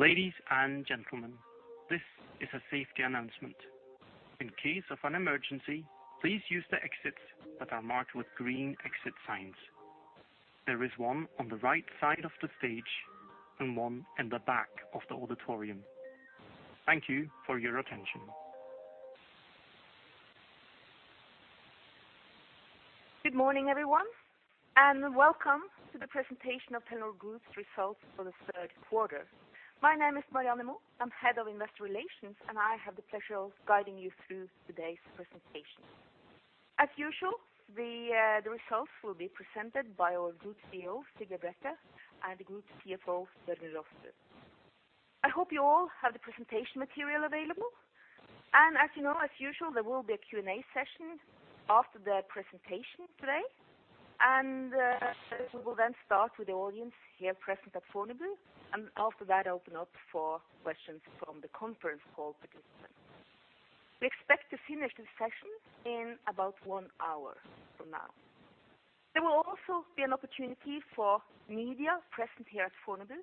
Ladies and gentlemen, this is a safety announcement. In case of an emergency, please use the exits that are marked with green exit signs. There is one on the right side of the stage and one in the back of the auditorium. Thank you for your attention. Good morning, everyone, and welcome to the presentation of Telenor Group's results for the third quarter. My name is Marianne Moe. I'm Head of Investor Relations, and I have the pleasure of guiding you through today's presentation. As usual, the results will be presented by our Group CEO, Sigve Brekke, and the Group CFO, Jørgen Rostrup There will also be an opportunity for media present here at Fornebu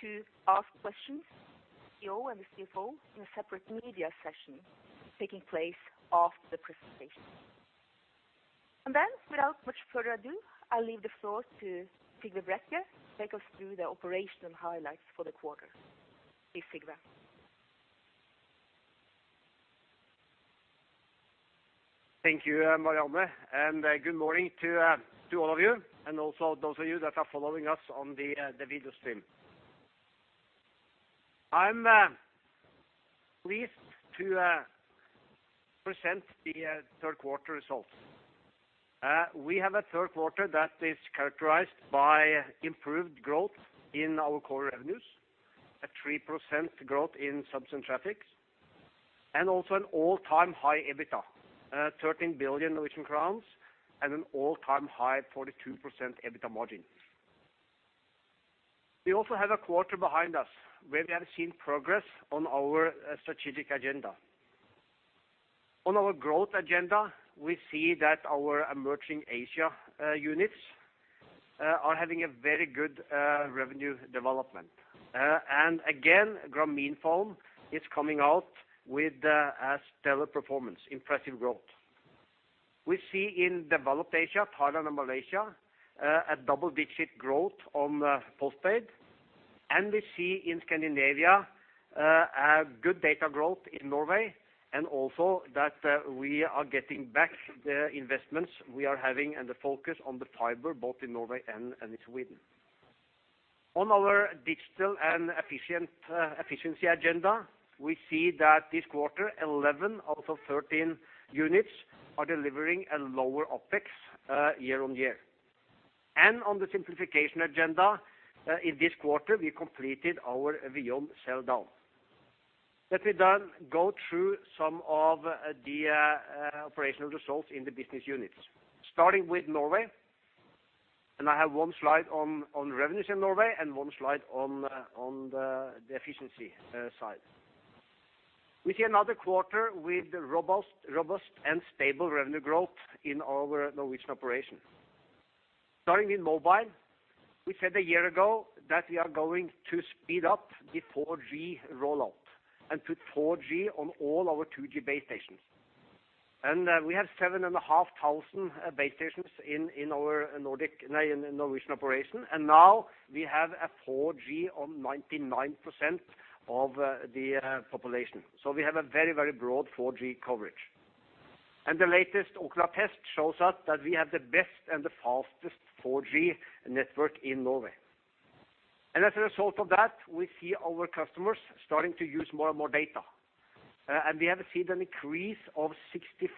to ask questions to the CEO and the CFO in a separate media session taking place after the presentation. Then, without much further ado, I'll leave the floor to Sigve Brekke, take us through the operational highlights for the quarter. Please, Sigve. Thank you, Marianne, and good morning to all of you, and also those of you that are following us on the video stream. I'm pleased to present the third quarter results. We have a third quarter that is characterized by improved growth in our core revenues, a 3% growth in subs and traffics, and also an all-time high EBITDA, 13 billion Norwegian crowns, and an all-time high 42% EBITDA margin. We also have a quarter behind us, where we have seen progress on our strategic agenda. On our growth agenda, we see that our emerging Asia units are having a very good revenue development. And again, Grameenphone is coming out with a stellar performance, impressive growth. We see in developed Asia, Thailand and Malaysia, a double-digit growth on postpaid, and we see in Scandinavia, a good data growth in Norway, and also that we are getting back the investments we are having and the focus on the fiber, both in Norway and Sweden. On our digital and efficient efficiency agenda, we see that this quarter, 11 out of 13 units are delivering a lower OpEx year-on-year. And on the simplification agenda, in this quarter, we completed our VEON sell-down. Let me then go through some of the operational results in the business units. Starting with Norway, and I have one slide on revenues in Norway and one slide on the efficiency side. We see another quarter with the robust and stable revenue growth in our Norwegian operation. Starting in mobile, we said a year ago that we are going to speed up the 4G rollout and put 4G on all our 2G base stations. And we have 7,500 base stations in our Nordic, in Norwegian operation, and now we have 4G on 99% of the population. So we have a very, very broad 4G coverage. And the latest Ookla test shows us that we have the best and the fastest 4G network in Norway. And as a result of that, we see our customers starting to use more and more data. And we have seen an increase of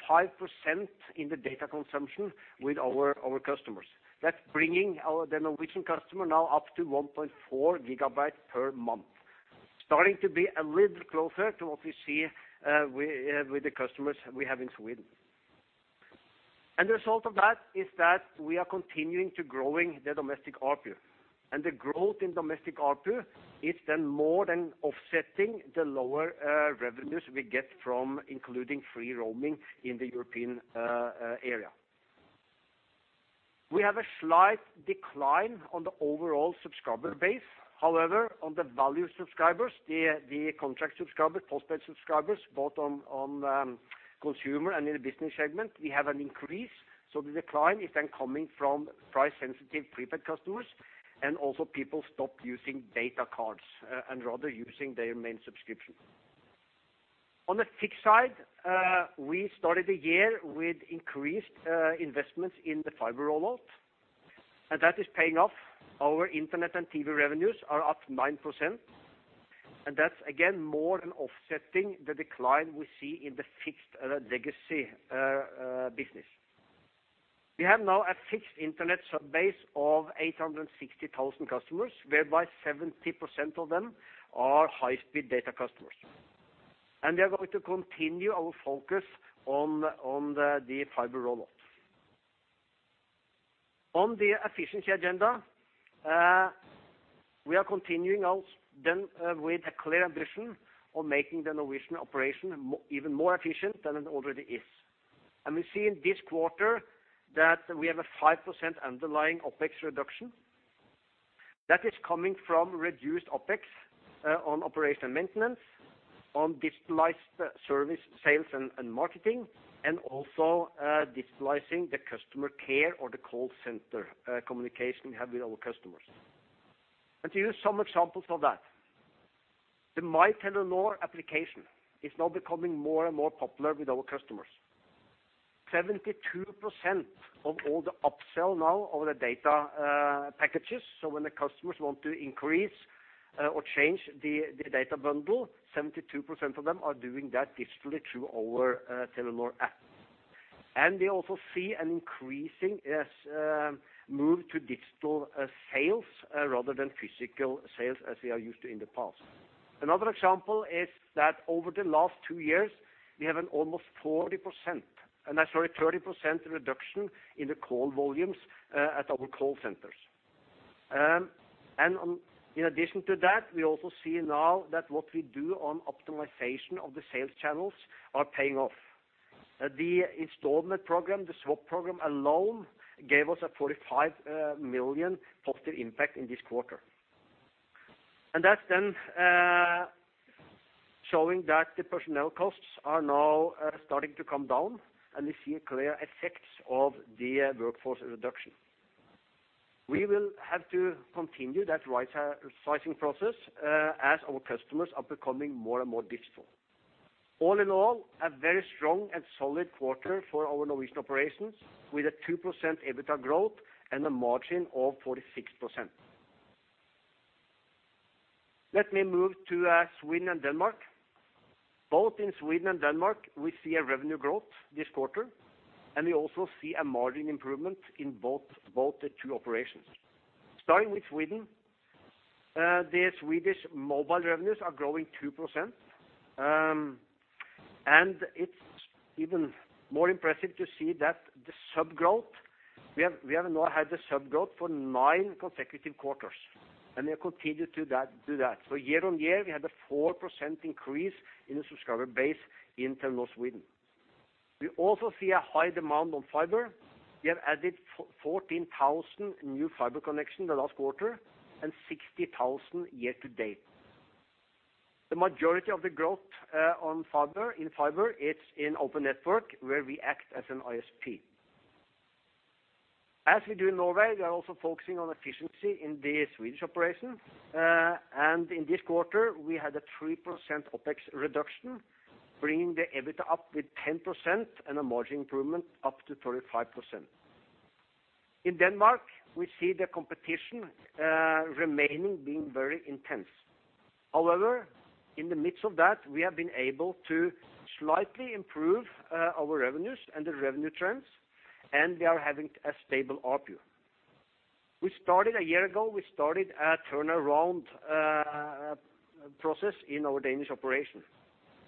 65% in the data consumption with our customers. That's bringing our, the Norwegian customer now up to 1.4 GB per month. Starting to be a little closer to what we see with the customers we have in Sweden. And the result of that is that we are continuing to growing the domestic ARPU, and the growth in domestic ARPU is then more than offsetting the lower revenues we get from including free roaming in the European area. We have a slight decline on the overall subscriber base. However, on the value subscribers, the contract subscriber, postpaid subscribers, both on consumer and in the business segment, we have an increase, so the decline is then coming from price-sensitive prepaid customers, and also people stopped using data cards and rather using their main subscription. On the fixed side, we started the year with increased investments in the fiber rollout, and that is paying off. Our internet and TV revenues are up 9%, and that's, again, more than offsetting the decline we see in the fixed legacy business. We have now a fixed internet sub-base of 860,000 customers, whereby 70% of them are high-speed data customers. We are going to continue our focus on the fiber rollout. On the efficiency agenda, we are continuing out then with a clear ambition of making the Norwegian operation even more efficient than it already is. We see in this quarter that we have a 5% underlying OpEx reduction. That is coming from reduced OpEx on operation maintenance, on digitalized service, sales and marketing, and also digitalizing the customer care or the call center communication we have with our customers. To use some examples of that, the My Telenor application is now becoming more and more popular with our customers. 72% of all the upsell now of the data packages, so when the customers want to increase or change the data bundle, 72% of them are doing that digitally through our Telenor app. And we also see an increasing move to digital sales rather than physical sales as we are used to in the past. Another example is that over the last two years, we have an almost 40%, and that's sorry, 30% reduction in the call volumes at our call centers. And in addition to that, we also see now that what we do on optimization of the sales channels are paying off. The installment program, the SWAP program alone, gave us a 45 million positive impact in this quarter. That's then showing that the personnel costs are now starting to come down, and we see a clear effects of the workforce reduction. We will have to continue that right sizing process, as our customers are becoming more and more digital. All in all, a very strong and solid quarter for our Norwegian operations, with a 2% EBITDA growth and a margin of 46%. Let me move to Sweden and Denmark. Both in Sweden and Denmark, we see a revenue growth this quarter, and we also see a margin improvement in both, both the two operations. Starting with Sweden, the Swedish mobile revenues are growing 2%, and it's even more impressive to see that the sub growth, we have, we have now had the sub growth for nine consecutive quarters, and they continue to that, do that. So year-on-year, we had a 4% increase in the subscriber base in Telenor Sweden. We also see a high demand on fiber. We have added 14,000 new fiber connection the last quarter and 60,000 year to date. The majority of the growth, on fiber, in fiber, it's in open network where we act as an ISP. As we do in Norway, we are also focusing on efficiency in the Swedish operation, and in this quarter, we had a 3% OpEx reduction, bringing the EBITDA up with 10% and a margin improvement up to 35%. In Denmark, we see the competition remaining being very intense. However, in the midst of that, we have been able to slightly improve our revenues and the revenue trends, and we are having a stable ARPU. We started a year ago, we started a turnaround process in our Danish operation,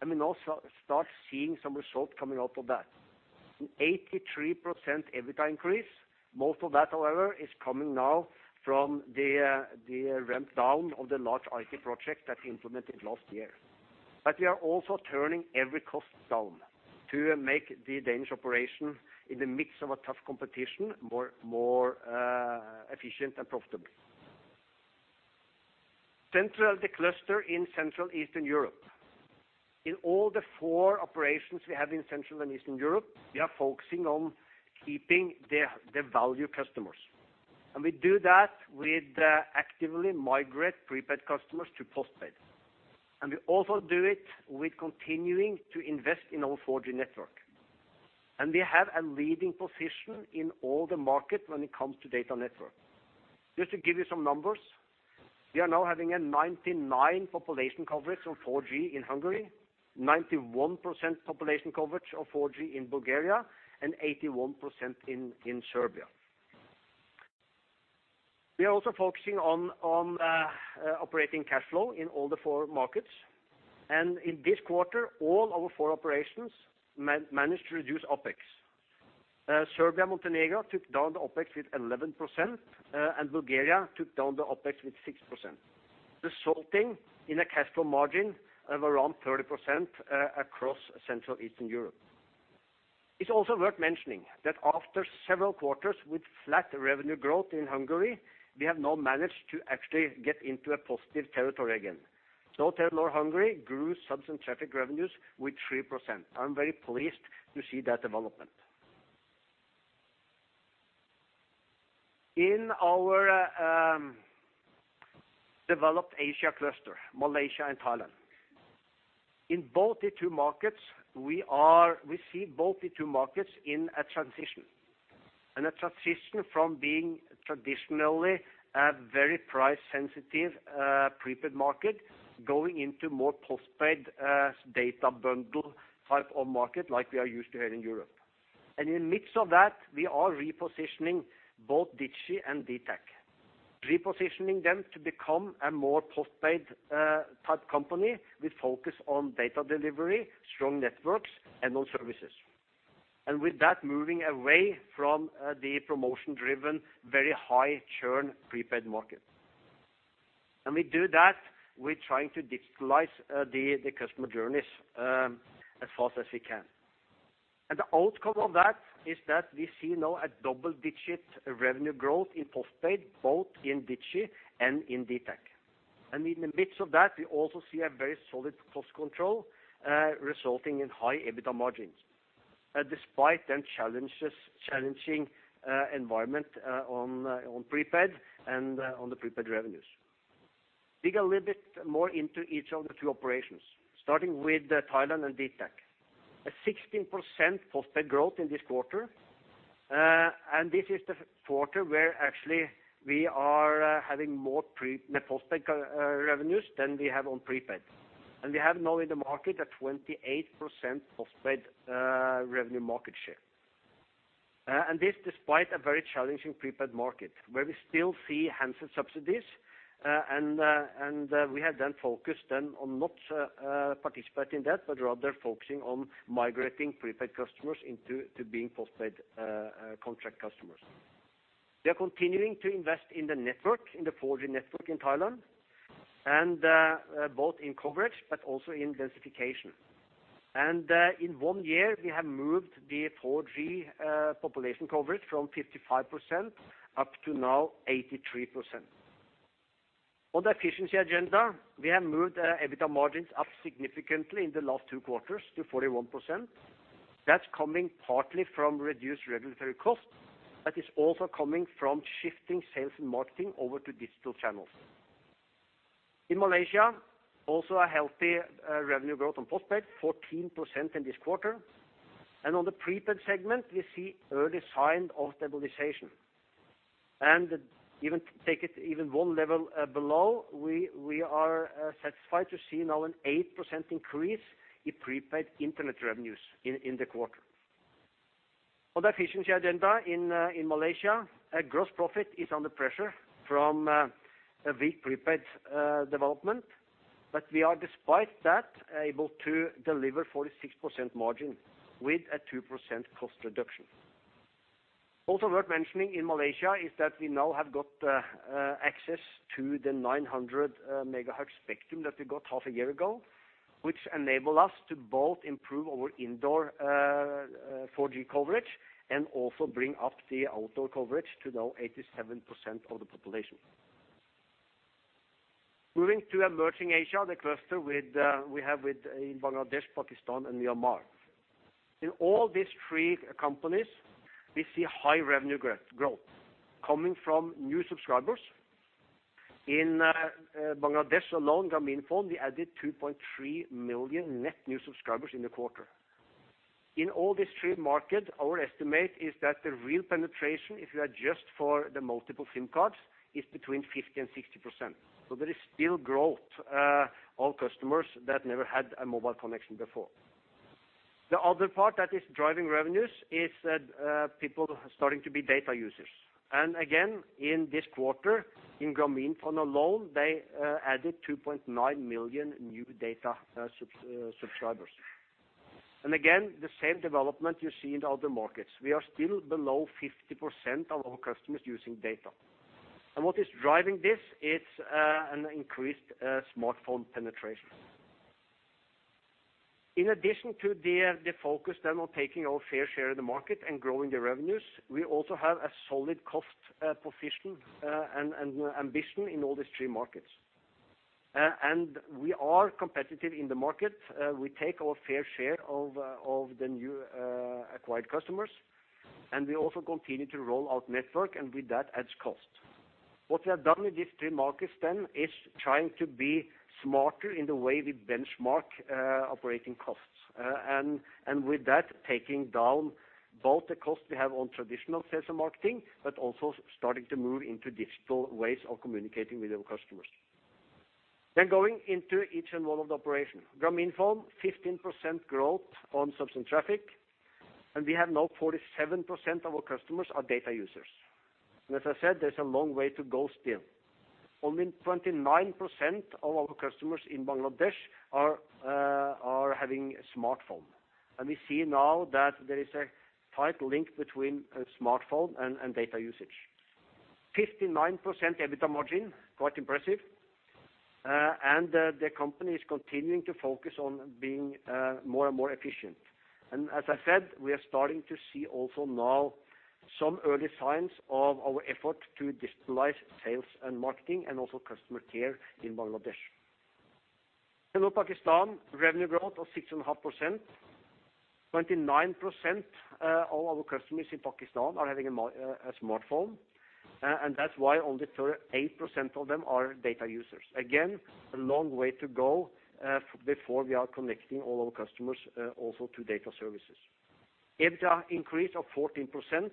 and we now start seeing some results coming out of that. 83% EBITDA increase. Most of that, however, is coming now from the ramp down of the large IT project that we implemented last year. But we are also turning every cost down to make the Danish operation in the midst of a tough competition more efficient and profitable. Central, the cluster in Central Eastern Europe. In all the four operations we have in Central and Eastern Europe, we are focusing on keeping the value customers, and we do that with actively migrate prepaid customers to postpaid. And we also do it with continuing to invest in our 4G network. And we have a leading position in all the market when it comes to data network. Just to give you some numbers, we are now having a 99 population coverage on 4G in Hungary, 91% population coverage of 4G in Bulgaria, and 81% in Serbia. We are also focusing on operating cash flow in all the four markets, and in this quarter, all our four operations managed to reduce OpEx. Serbia, Montenegro took down the OpEx with 11%, and Bulgaria took down the OpEx with 6%, resulting in a cash flow margin of around 30% across Central Eastern Europe. It's also worth mentioning that after several quarters with flat revenue growth in Hungary, we have now managed to actually get into a positive territory again. So Telenor Hungary grew subs and traffic revenues with 3%. I'm very pleased to see that development. In our developed Asia cluster, Malaysia and Thailand, in both the two markets, we see both the two markets in a transition, and a transition from being traditionally a very price sensitive, prepaid market, going into more postpaid, data bundle type of market like we are used to here in Europe. In the midst of that, we are repositioning both Digi and dtac, repositioning them to become a more postpaid type company with focus on data delivery, strong networks, and on services. With that, moving away from the promotion-driven, very high churn prepaid market. We do that, we're trying to digitalize the customer journeys as fast as we can. The outcome of that is that we see now a double-digit revenue growth in postpaid, both in Digi and in dtac. In the midst of that, we also see a very solid cost control resulting in high EBITDA margins despite the challenges, challenging environment on prepaid and on the prepaid revenues. Dig a little bit more into each of the two operations, starting with Thailand and dtac. A 16% postpaid growth in this quarter, and this is the quarter where actually we are having more postpaid revenues than we have on prepaid. And we have now in the market a 28% postpaid revenue market share. And this despite a very challenging prepaid market, where we still see handset subsidies, and we have then focused on not participating in that, but rather focusing on migrating prepaid customers into being postpaid contract customers. We are continuing to invest in the network, in the 4G network in Thailand, and both in coverage, but also in densification. And in one year, we have moved the 4G population coverage from 55% up to now 83%. On the efficiency agenda, we have moved our EBITDA margins up significantly in the last two quarters to 41%. That's coming partly from reduced regulatory costs, but it's also coming from shifting sales and marketing over to digital channels. In Malaysia, also a healthy revenue growth on postpaid, 14% in this quarter. And on the prepaid segment, we see early sign of stabilization. And even take it even one level below, we are satisfied to see now an 8% increase in prepaid internet revenues in the quarter. On the efficiency agenda in Malaysia, a gross profit is under pressure from a weak prepaid development, but we are, despite that, able to deliver 46% margin with a 2% cost reduction. Also worth mentioning in Malaysia is that we now have got access to the 900 megahertz spectrum that we got half a year ago, which enable us to both improve our indoor 4G coverage and also bring up the outdoor coverage to now 87% of the population. Moving to Emerging Asia, the cluster with we have with in Bangladesh, Pakistan, and Myanmar. In all these three companies, we see high revenue growth, growth coming from new subscribers. In Bangladesh alone, Grameenphone, we added 2.3 million net new subscribers in the quarter. In all these three markets, our estimate is that the real penetration, if you adjust for the multiple SIM cards, is between 50% and 60%. So there is still growth of customers that never had a mobile connection before. The other part that is driving revenues is that people are starting to be data users. And again, in this quarter, in Grameenphone alone, they added 2.9 million new data subscribers. And again, the same development you see in the other markets. We are still below 50% of our customers using data. And what is driving this is an increased smartphone penetration. In addition to the focus then on taking our fair share of the market and growing the revenues, we also have a solid cost position and ambition in all these three markets. And we are competitive in the market. We take our fair share of the new acquired customers, and we also continue to roll out network, and with that adds cost. What we have done in these three markets then is trying to be smarter in the way we benchmark, operating costs. And, with that, taking down both the cost we have on traditional sales and marketing, but also starting to move into digital ways of communicating with our customers. Then going into each and all of the operation. Grameenphone, 15% growth on subs and traffic, and we have now 47% of our customers are data users. And as I said, there's a long way to go still. Only 29% of our customers in Bangladesh are having a smartphone. And we see now that there is a tight link between a smartphone and data usage. 59% EBITDA margin, quite impressive. And the company is continuing to focus on being more and more efficient. And as I said, we are starting to see also now some early signs of our effort to digitalize sales and marketing and also customer care in Bangladesh. Telenor Pakistan, revenue growth of 6.5%. 29% of our customers in Pakistan are having a smartphone, and that's why only 38% of them are data users. Again, a long way to go, before we are connecting all our customers, also to data services. EBITDA increase of 14%,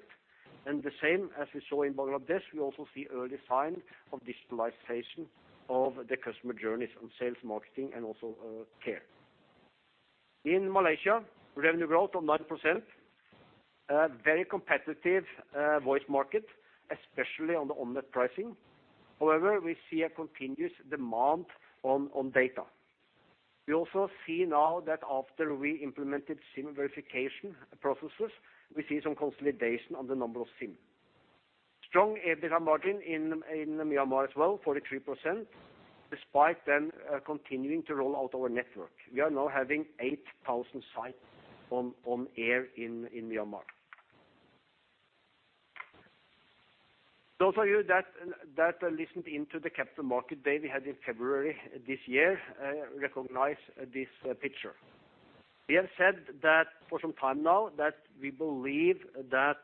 and the same as we saw in Bangladesh, we also see early sign of digitalization of the customer journeys on sales, marketing, and also, care. In Malaysia, revenue growth of 9%, a very competitive, voice market, especially on the on-net pricing. However, we see a continuous demand on, on data. We also see now that after we implemented SIM verification processes, we see some consolidation on the number of SIM. Strong EBITDA margin in Myanmar as well, 43%, despite them continuing to roll out our network. We are now having 8,000 sites on air in Myanmar. Those of you that listened into the capital market day we had in February this year recognize this picture. We have said that for some time now, that we believe that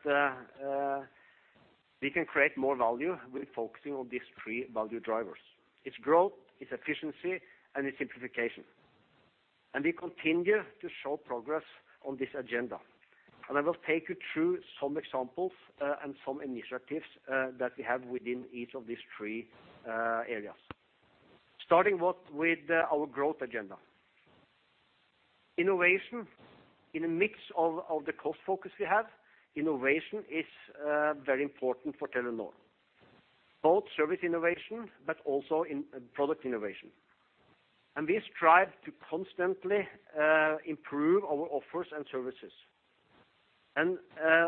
we can create more value with focusing on these three value drivers. It's growth, it's efficiency, and it's simplification. We continue to show progress on this agenda. I will take you through some examples and some initiatives that we have within each of these three areas. Starting with our growth agenda. Innovation, in the mix of the cost focus we have, innovation is very important for Telenor. Both service innovation, but also in product innovation. We strive to constantly improve our offers and services, and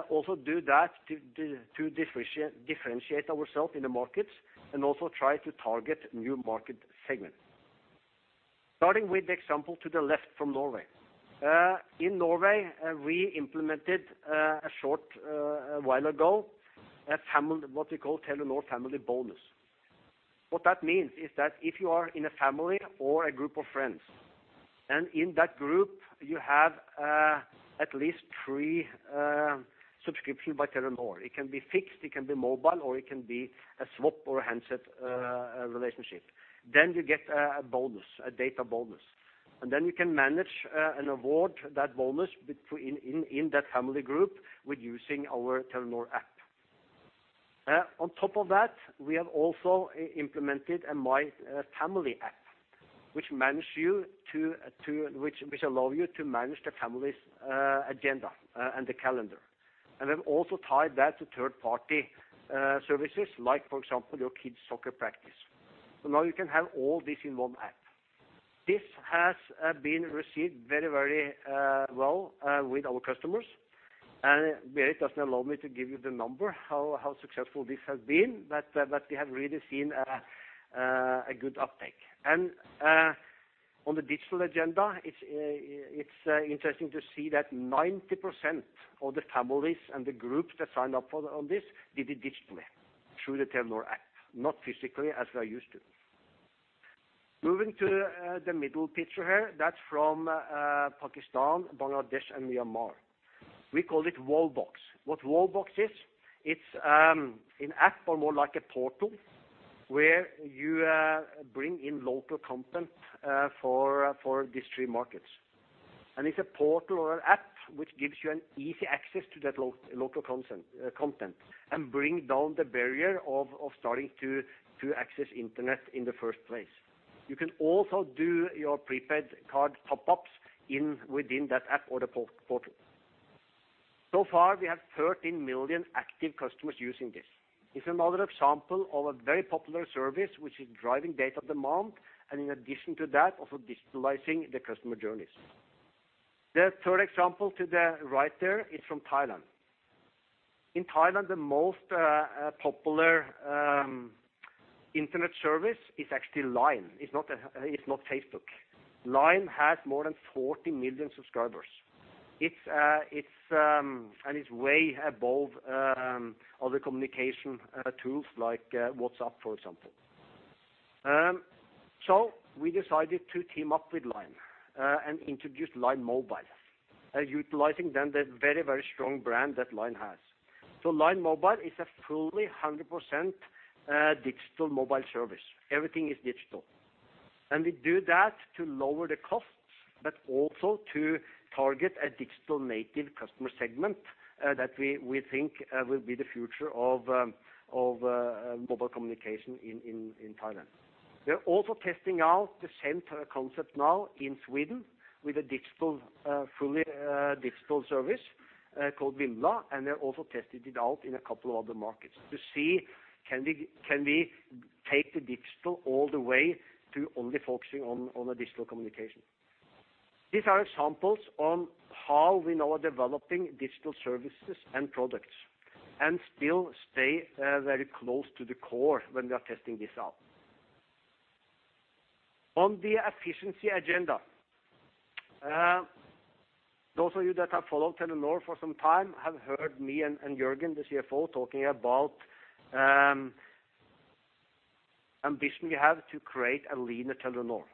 also do that to differentiate ourselves in the markets, and also try to target new market segments. Starting with the example to the left from Norway. In Norway, we implemented a short while ago a family—what we call Telenor Family Bonus. What that means is that if you are in a family or a group of friends, and in that group you have at least three subscription by Telenor, it can be fixed, it can be mobile, or it can be a swap or a handset relationship, then you get a bonus, a data bonus. Then you can manage and award that bonus between in that family group with using our Telenor app. On top of that, we have also implemented a My Family app, which allows you to manage the family's agenda and the calendar. And we've also tied that to third-party services, like, for example, your kids' soccer practice. So now you can have all this in one app. This has been received very, very well with our customers. And Berit doesn't allow me to give you the number, how successful this has been, but we have really seen a good uptake. On the digital agenda, it's interesting to see that 90% of the families and the groups that signed up for the, on this, did it digitally through the Telenor app, not physically as they are used to. Moving to the middle picture here, that's from Pakistan, Bangladesh, and Myanmar. We call it WowBox. What WowBox is, it's an app or more like a portal, where you bring in local content for these three markets. And it's a portal or an app which gives you an easy access to that local content, and bring down the barrier of starting to access internet in the first place. You can also do your prepaid card top-ups within that app or the portal. So far, we have 13 million active customers using this. It's another example of a very popular service, which is driving data demand, and in addition to that, also digitalizing the customer journeys. The third example to the right there is from Thailand. In Thailand, the most popular internet service is actually LINE. It's not Facebook. LINE has more than 40 million subscribers. It's way above other communication tools, like WhatsApp, for example. So, we decided to team up with LINE and introduce LINE Mobile, utilizing the very strong brand that LINE has. So, LINE Mobile is a fully 100% digital mobile service. Everything is digital. We do that to lower the costs, but also to target a digital-native customer segment that we think will be the future of mobile communication in Thailand. We are also testing out the same kind of concept now in Sweden with a fully digital service called Vimla, and they're also testing it out in a couple of other markets to see, can we take the digital all the way to only focusing on the digital communication? These are examples on how we now are developing digital services and products and still stay very close to the core when we are testing this out. On the efficiency agenda, those of you that have followed Telenor for some time have heard me and Jørgen, the CFO, talking about ambition we have to create a leaner Telenor.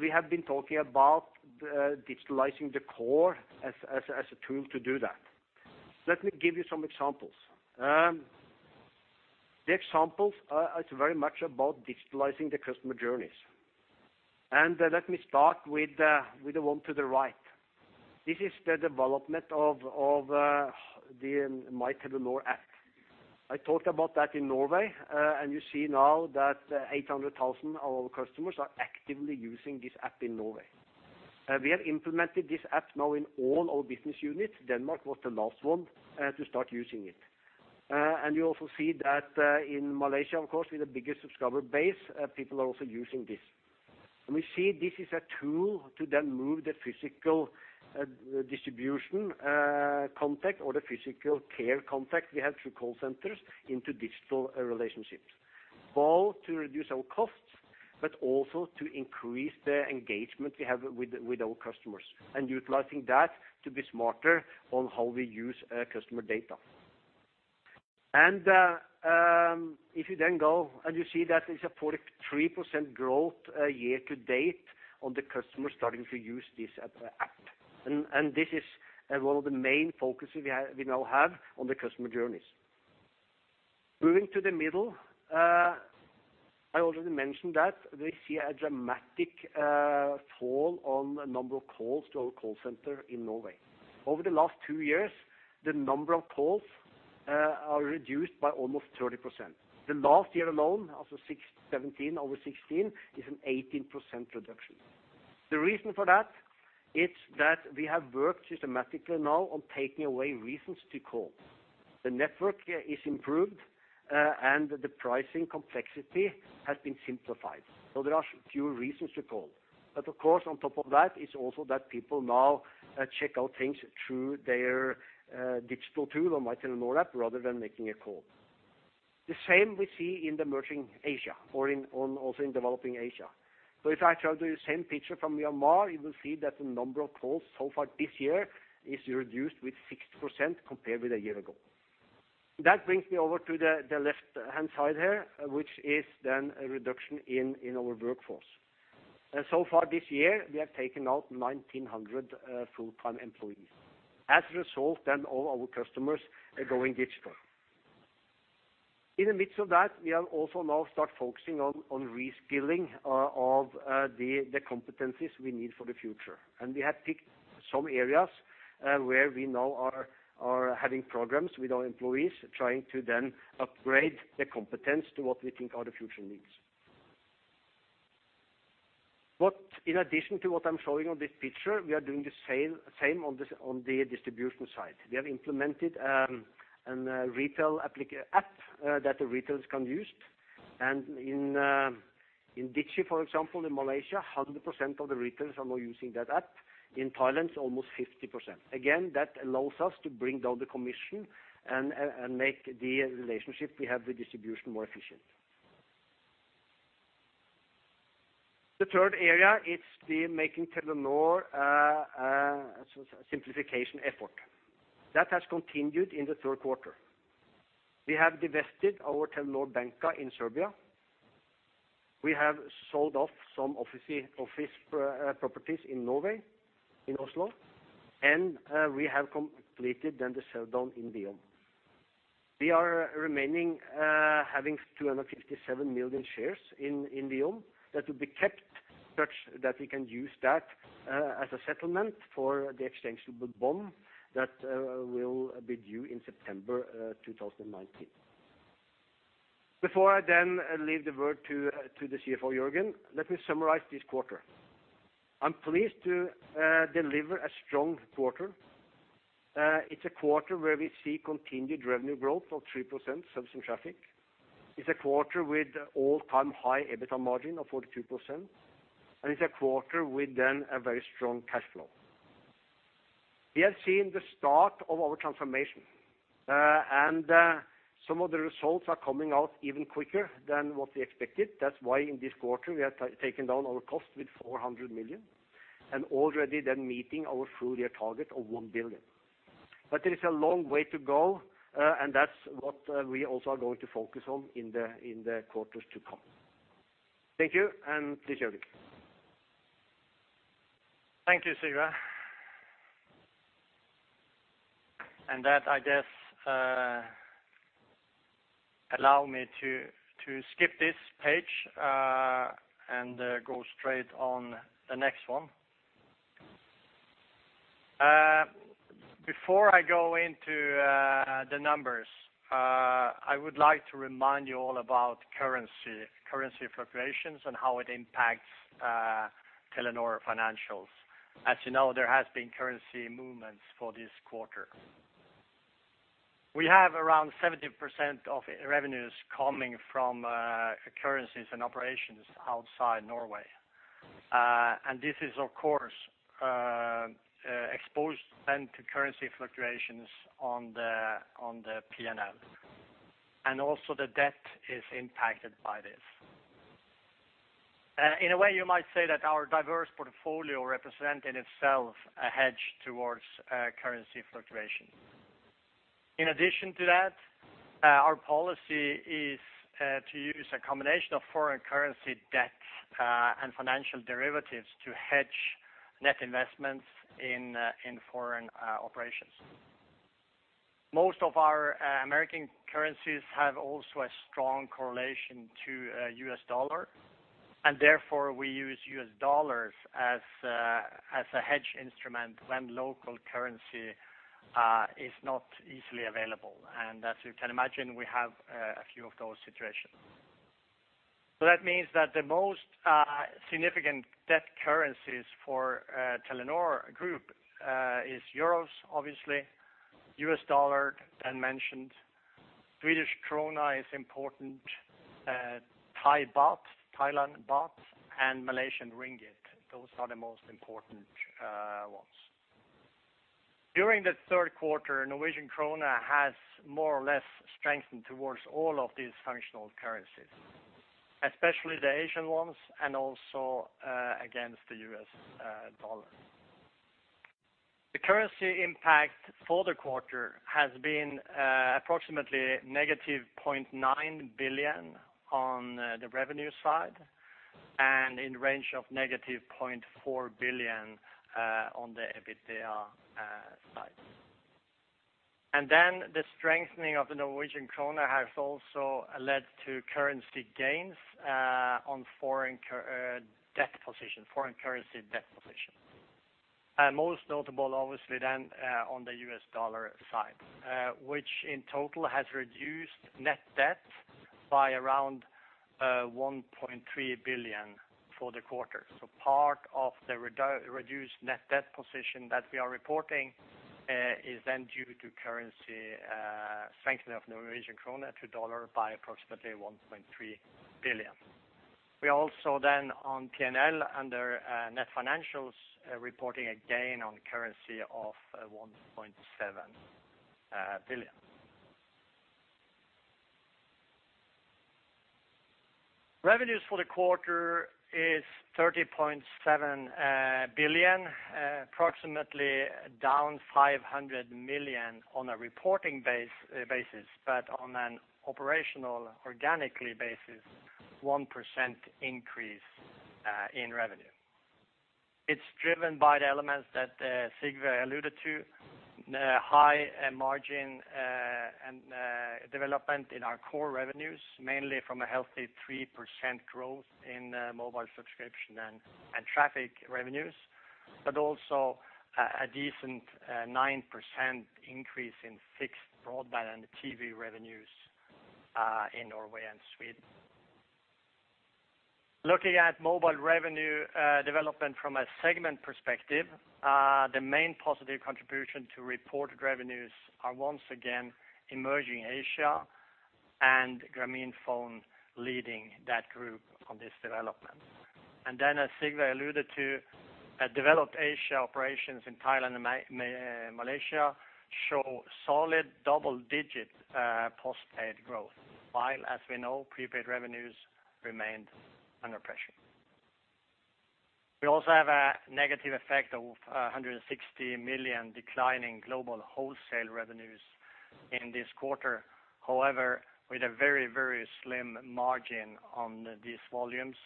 We have been talking about digitalizing the core as a tool to do that. Let me give you some examples. The examples are very much about digitalizing the customer journeys. Let me start with the one to the right. This is the development of the My Telenor app. I talked about that in Norway, and you see now that 800,000 of our customers are actively using this app in Norway. We have implemented this app now in all our business units. Denmark was the last one to start using it. You also see that in Malaysia, of course, with the biggest subscriber base, people are also using this. And we see this is a tool to then move the physical distribution contact or the physical care contact we have through call centers into digital relationships, both to reduce our costs, but also to increase the engagement we have with our customers, and utilizing that to be smarter on how we use customer data. And if you then go and you see that it's a 43% growth year to date on the customers starting to use this app. And this is one of the main focuses we have, we now have on the customer journeys. Moving to the middle, I already mentioned that we see a dramatic fall on the number of calls to our call center in Norway. Over the last two years, the number of calls are reduced by almost 30%. The last year alone, after six 2017 over 2016, is an 18% reduction. The reason for that, it's that we have worked systematically now on taking away reasons to call. The network is improved, and the pricing complexity has been simplified, so there are fewer reasons to call. But of course, on top of that, it's also that people now check out things through their digital tool on My Telenor app rather than making a call. The same we see in emerging Asia or also in developing Asia. So if I show you the same picture from Myanmar, you will see that the number of calls so far this year is reduced with 60% compared with a year ago. That brings me over to the left-hand side here, which is then a reduction in our workforce. And so far this year, we have taken out 1,900 full-time employees. As a result, then all our customers are going digital. In the midst of that, we have also now start focusing on reskilling of the competencies we need for the future. And we have picked some areas where we now are having programs with our employees, trying to then upgrade the competence to what we think are the future needs. But in addition to what I'm showing on this picture, we are doing the same on the distribution side. We have implemented a retail app that the retailers can use. And in Digi, for example, in Malaysia, 100% of the retailers are now using that app. In Thailand, almost 50%. Again, that allows us to bring down the commission and make the relationship we have with distribution more efficient. The third area, it's the Telenor simplification effort. That has continued in the third quarter. We have divested our Telenor Banka in Serbia. We have sold off some office properties in Norway, in Oslo, and we have completed then the sell down in VEON. We are remaining having 257 million shares in VEON that will be kept such that we can use that as a settlement for the exchangeable bond that will be due in September 2019. Before I then leave the word to the CFO, Jørgen, let me summarize this quarter. I'm pleased to deliver a strong quarter. It's a quarter where we see continued revenue growth of 3% subscription traffic. It's a quarter with all-time high EBITDA margin of 42%, and it's a quarter with then a very strong cash flow. We have seen the start of our transformation, and some of the results are coming out even quicker than what we expected. That's why in this quarter, we have taken down our costs with 400 million, and already then meeting our full year target of 1 billion. But there is a long way to go, and that's what we also are going to focus on in the quarters to come. Thank you, and please, Jørgen. Thank you, Sigve. And that, I guess, allow me to to skip this page, and go straight on the next one. Before I go into the numbers, I would like to remind you all about currency, currency fluctuations and how it impacts Telenor financials. As you know, there has been currency movements for this quarter. We have around 70% of revenues coming from currencies and operations outside Norway. And this is, of course, exposed then to currency fluctuations on the P&L, and also the debt is impacted by this. In a way, you might say that our diverse portfolio represent in itself a hedge towards currency fluctuation. In addition to that, our policy is to use a combination of foreign currency debt and financial derivatives to hedge net investments in in foreign operations. Most of our American currencies have also a strong correlation to US dollar, and therefore, we use US dollars as a as a hedge instrument when local currency is not easily available. And as you can imagine, we have a few of those situations. So that means that the most significant debt currencies for Telenor Group is euros, obviously, US dollar, then mentioned. Swedish krona is important, Thai baht, Thai baht, and Malaysian ringgit. Those are the most important ones. During the third quarter, Norwegian krone has more or less strengthened towards all of these functional currencies, especially the Asian ones, and also, against the US dollar. The currency impact for the quarter has been approximately negative 0.9 billion on the revenue side, and in range of negative 0.4 billion on the EBITDA side. Then the strengthening of the Norwegian krone has also led to currency gains on foreign currency debt position. Most notable, obviously, then on the US dollar side, which in total has reduced net debt by around 1.3 billion for the quarter. Part of the reduced net debt position that we are reporting is then due to currency strengthening of Norwegian krone to dollar by approximately 1.3 billion. We also, on P&L, under net financials, are reporting a gain on currency of NOK 1.7 billion. Revenues for the quarter is 30.7 billion, approximately down 500 million on a reporting basis, but on an operational organically basis, 1% increase in revenue. It's driven by the elements that Sigve alluded to, the high margin and development in our core revenues, mainly from a healthy 3% growth in mobile subscription and traffic revenues, but also a decent 9% increase in fixed broadband and TV revenues in Norway and Sweden. Looking at mobile revenue development from a segment perspective, the main positive contribution to reported revenues are once again Emerging Asia and Grameenphone leading that group on this development. As Sigve alluded to, developed Asia operations in Thailand and Malaysia show solid double-digit postpaid growth, while, as we know, prepaid revenues remained under pressure. We also have a negative effect of 160 million decline in global wholesale revenues in this quarter. However, with a very, very slim margin on these volumes,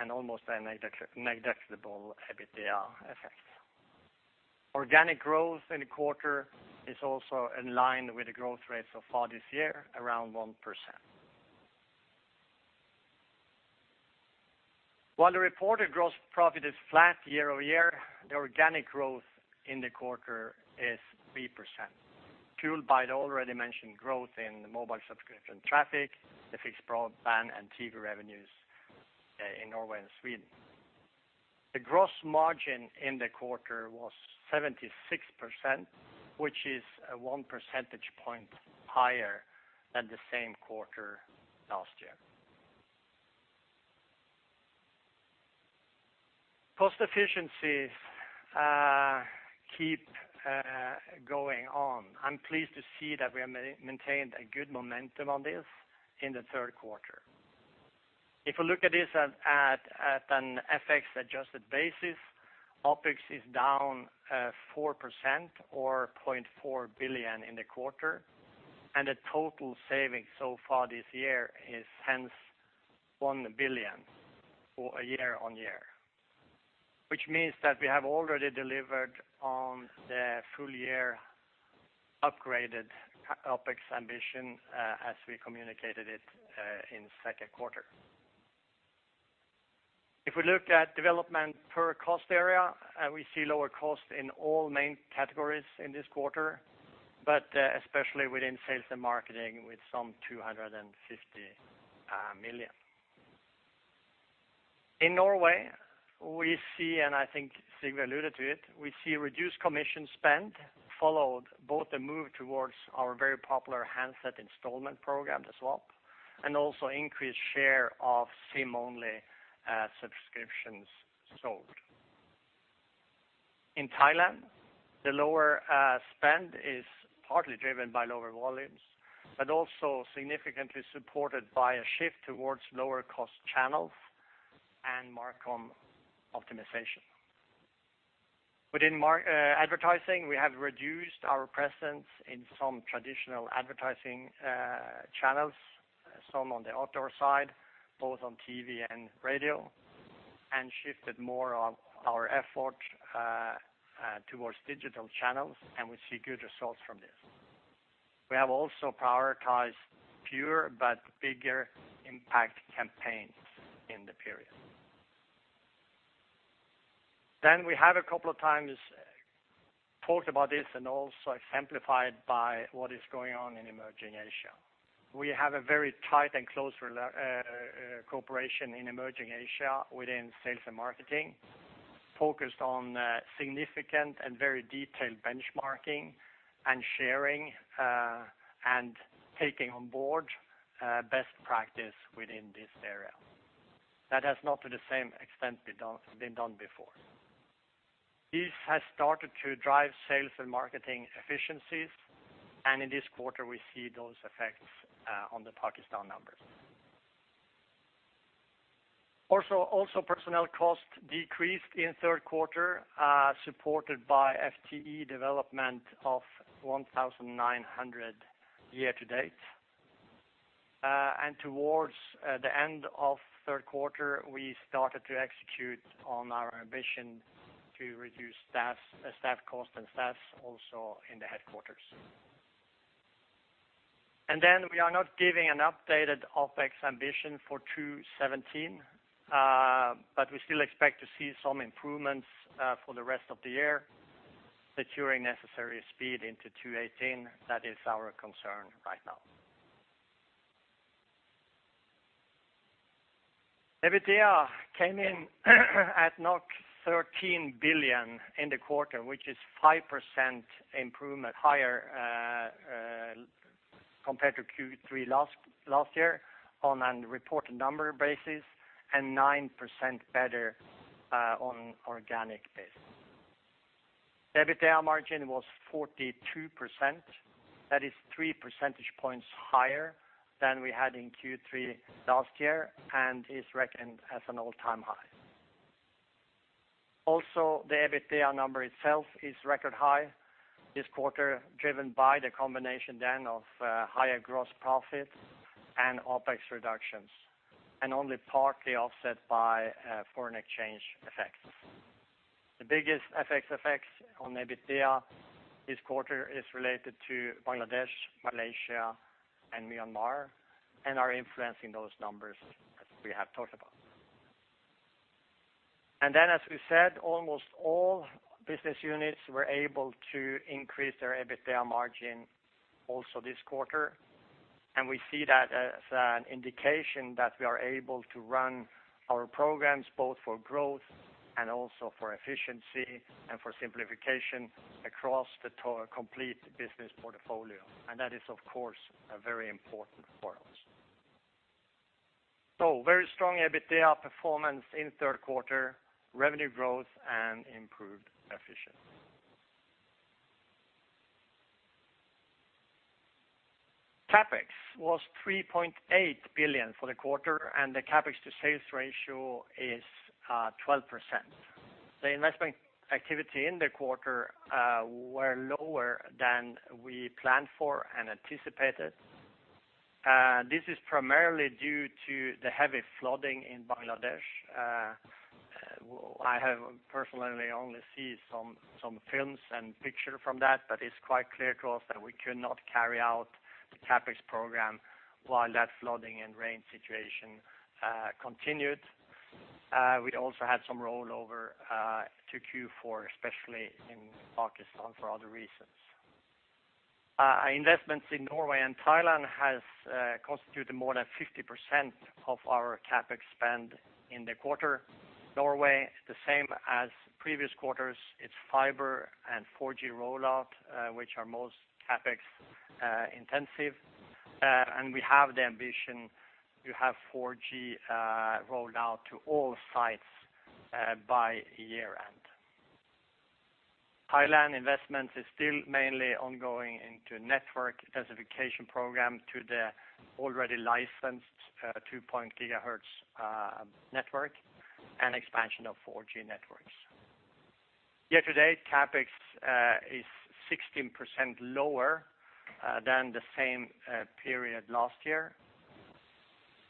and almost a negligible EBITDA effect. Organic growth in the quarter is also in line with the growth rates so far this year, around 1%. While the reported gross profit is flat year-over-year, the organic growth in the quarter is 3%, fueled by the already mentioned growth in the mobile subscription traffic, the fixed broadband and TV revenues in Norway and Sweden. The gross margin in the quarter was 76%, which is one percentage point higher than the same quarter last year. Cost efficiencies keep going on. I'm pleased to see that we have maintained a good momentum on this in the third quarter. If we look at this at an FX-adjusted basis, OpEx is down 4% or 0.4 billion in the quarter, and the total savings so far this year is hence 1 billion for a year-on-year. Which means that we have already delivered on the full year upgraded OpEx ambition, as we communicated it, in second quarter. If we look at development per cost area, we see lower costs in all main categories in this quarter, but especially within sales and marketing, with some 250 million. In Norway, we see, and I think Sigve alluded to it, we see reduced commission spend, followed both the move towards our very popular handset installment program, the SWAP, and also increased share of SIM-only subscriptions sold. In Thailand, the lower spend is partly driven by lower volumes, but also significantly supported by a shift towards lower cost channels and marcom optimization. Within marcom advertising, we have reduced our presence in some traditional advertising channels, some on the outdoor side, both on TV and radio, and shifted more of our effort towards digital channels, and we see good results from this. We have also prioritized fewer but bigger impact campaigns in the period. Then we have a couple of times talked about this and also exemplified by what is going on in emerging Asia. We have a very tight and close cooperation in emerging Asia within sales and marketing, focused on significant and very detailed benchmarking and sharing, and taking on board best practice within this area. That has not to the same extent been done before. This has started to drive sales and marketing efficiencies, and in this quarter, we see those effects on the Pakistan numbers. Also, personnel costs decreased in third quarter, supported by FTE development of 1,900 year to date. And towards the end of third quarter, we started to execute on our ambition to reduce staff cost and staff also in the headquarters. And then we are not giving an updated OpEx ambition for 2017, but we still expect to see some improvements, for the rest of the year, securing necessary speed into 2018, that is our concern right now. EBITDA came in at 13 billion in the quarter, which is 5% improvement higher, compared to Q3 last year on a reported number basis, and 9% better, on organic basis. EBITDA margin was 42%. That is three percentage points higher than we had in Q3 last year, and is reckoned as an all-time high. Also, the EBITDA number itself is record high this quarter, driven by the combination then of, higher gross profit and OpEx reductions, and only partly offset by, foreign exchange effects. The biggest FX effects on EBITDA this quarter is related to Bangladesh, Malaysia, and Myanmar, and are influencing those numbers, as we have talked about. Then, as we said, almost all business units were able to increase their EBITDA margin also this quarter, and we see that as an indication that we are able to run our programs, both for growth and also for efficiency and for simplification across the complete business portfolio. And that is, of course, a very important for us. Very strong EBITDA performance in third quarter, revenue growth and improved efficiency. CapEx was 3.8 billion for the quarter, and the CapEx to sales ratio is 12%. The investment activity in the quarter were lower than we planned for and anticipated. This is primarily due to the heavy flooding in Bangladesh. I have personally only seen some films and pictures from that, but it's quite clear to us that we could not carry out the CapEx program while that flooding and rain situation continued. We also had some rollover to Q4, especially in Pakistan, for other reasons. Investments in Norway and Thailand has constituted more than 50% of our CapEx spend in the quarter. Norway, the same as previous quarters, it's fiber and 4G rollout, which are most CapEx intensive. And we have the ambition to have 4G rolled out to all sites by year-end. Thailand investments is still mainly ongoing into network densification program to the already licensed 2 GHz network and expansion of 4G networks. Year to date, CapEx is 16% lower than the same period last year.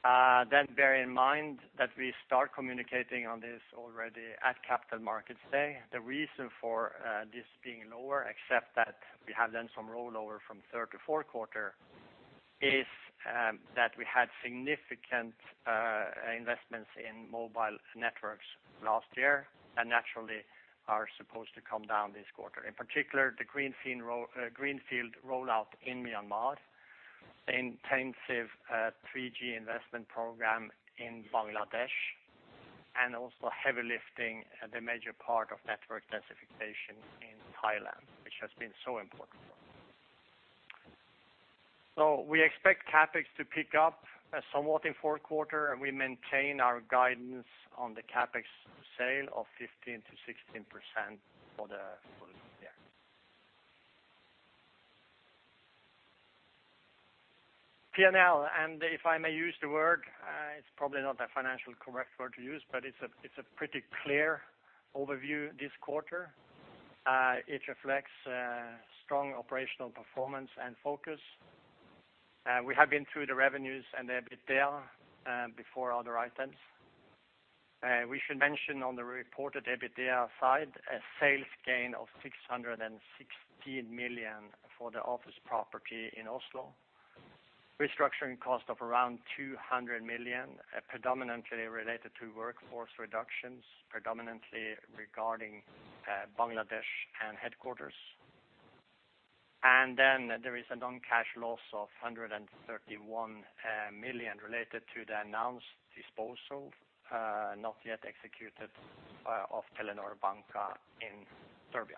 Then bear in mind that we start communicating on this already at Capital Markets Day. The reason for this being lower, except that we have done some rollover from third to fourth quarter, is that we had significant investments in mobile networks last year, and naturally are supposed to come down this quarter. In particular, the greenfield rollout in Myanmar, the intensive 3G investment program in Bangladesh, and also heavy lifting the major part of network densification in Thailand, which has been so important for us. So we expect CapEx to pick up somewhat in fourth quarter, and we maintain our guidance on the CapEx/sales of 15%-16% for the full year. P&L, and if I may use the word, it's probably not a financially correct word to use, but it's a pretty clear overview this quarter. It reflects strong operational performance and focus. We have been through the revenues and EBITDA before other items. We should mention on the reported EBITDA side, a sales gain of 616 million for the office property in Oslo. Restructuring cost of around 200 million, predominantly related to workforce reductions, predominantly regarding Bangladesh and headquarters. And then there is a non-cash loss of 131 million related to the announced disposal, not yet executed, of Telenor Banka in Serbia.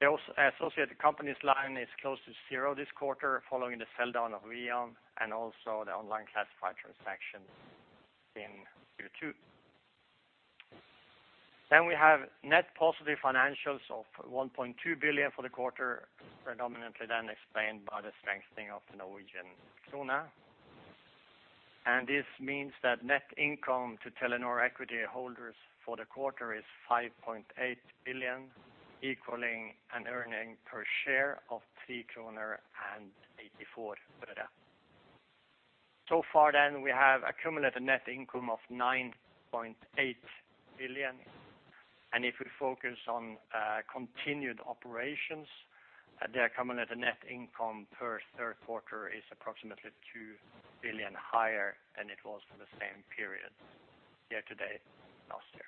The associated companies line is close to zero this quarter, following the sell down of VEON and also the online classified transaction in Q2. Then we have net positive financials of 1.2 billion for the quarter, predominantly then explained by the strengthening of the Norwegian krone. This means that net income to Telenor equity holders for the quarter is 5.8 billion, equaling an earnings per share of 3.84 kroner. So far then, we have accumulated net income of 9.8 billion, and if we focus on continued operations, the accumulated net income per third quarter is approximately 2 billion higher than it was for the same period year to date last year.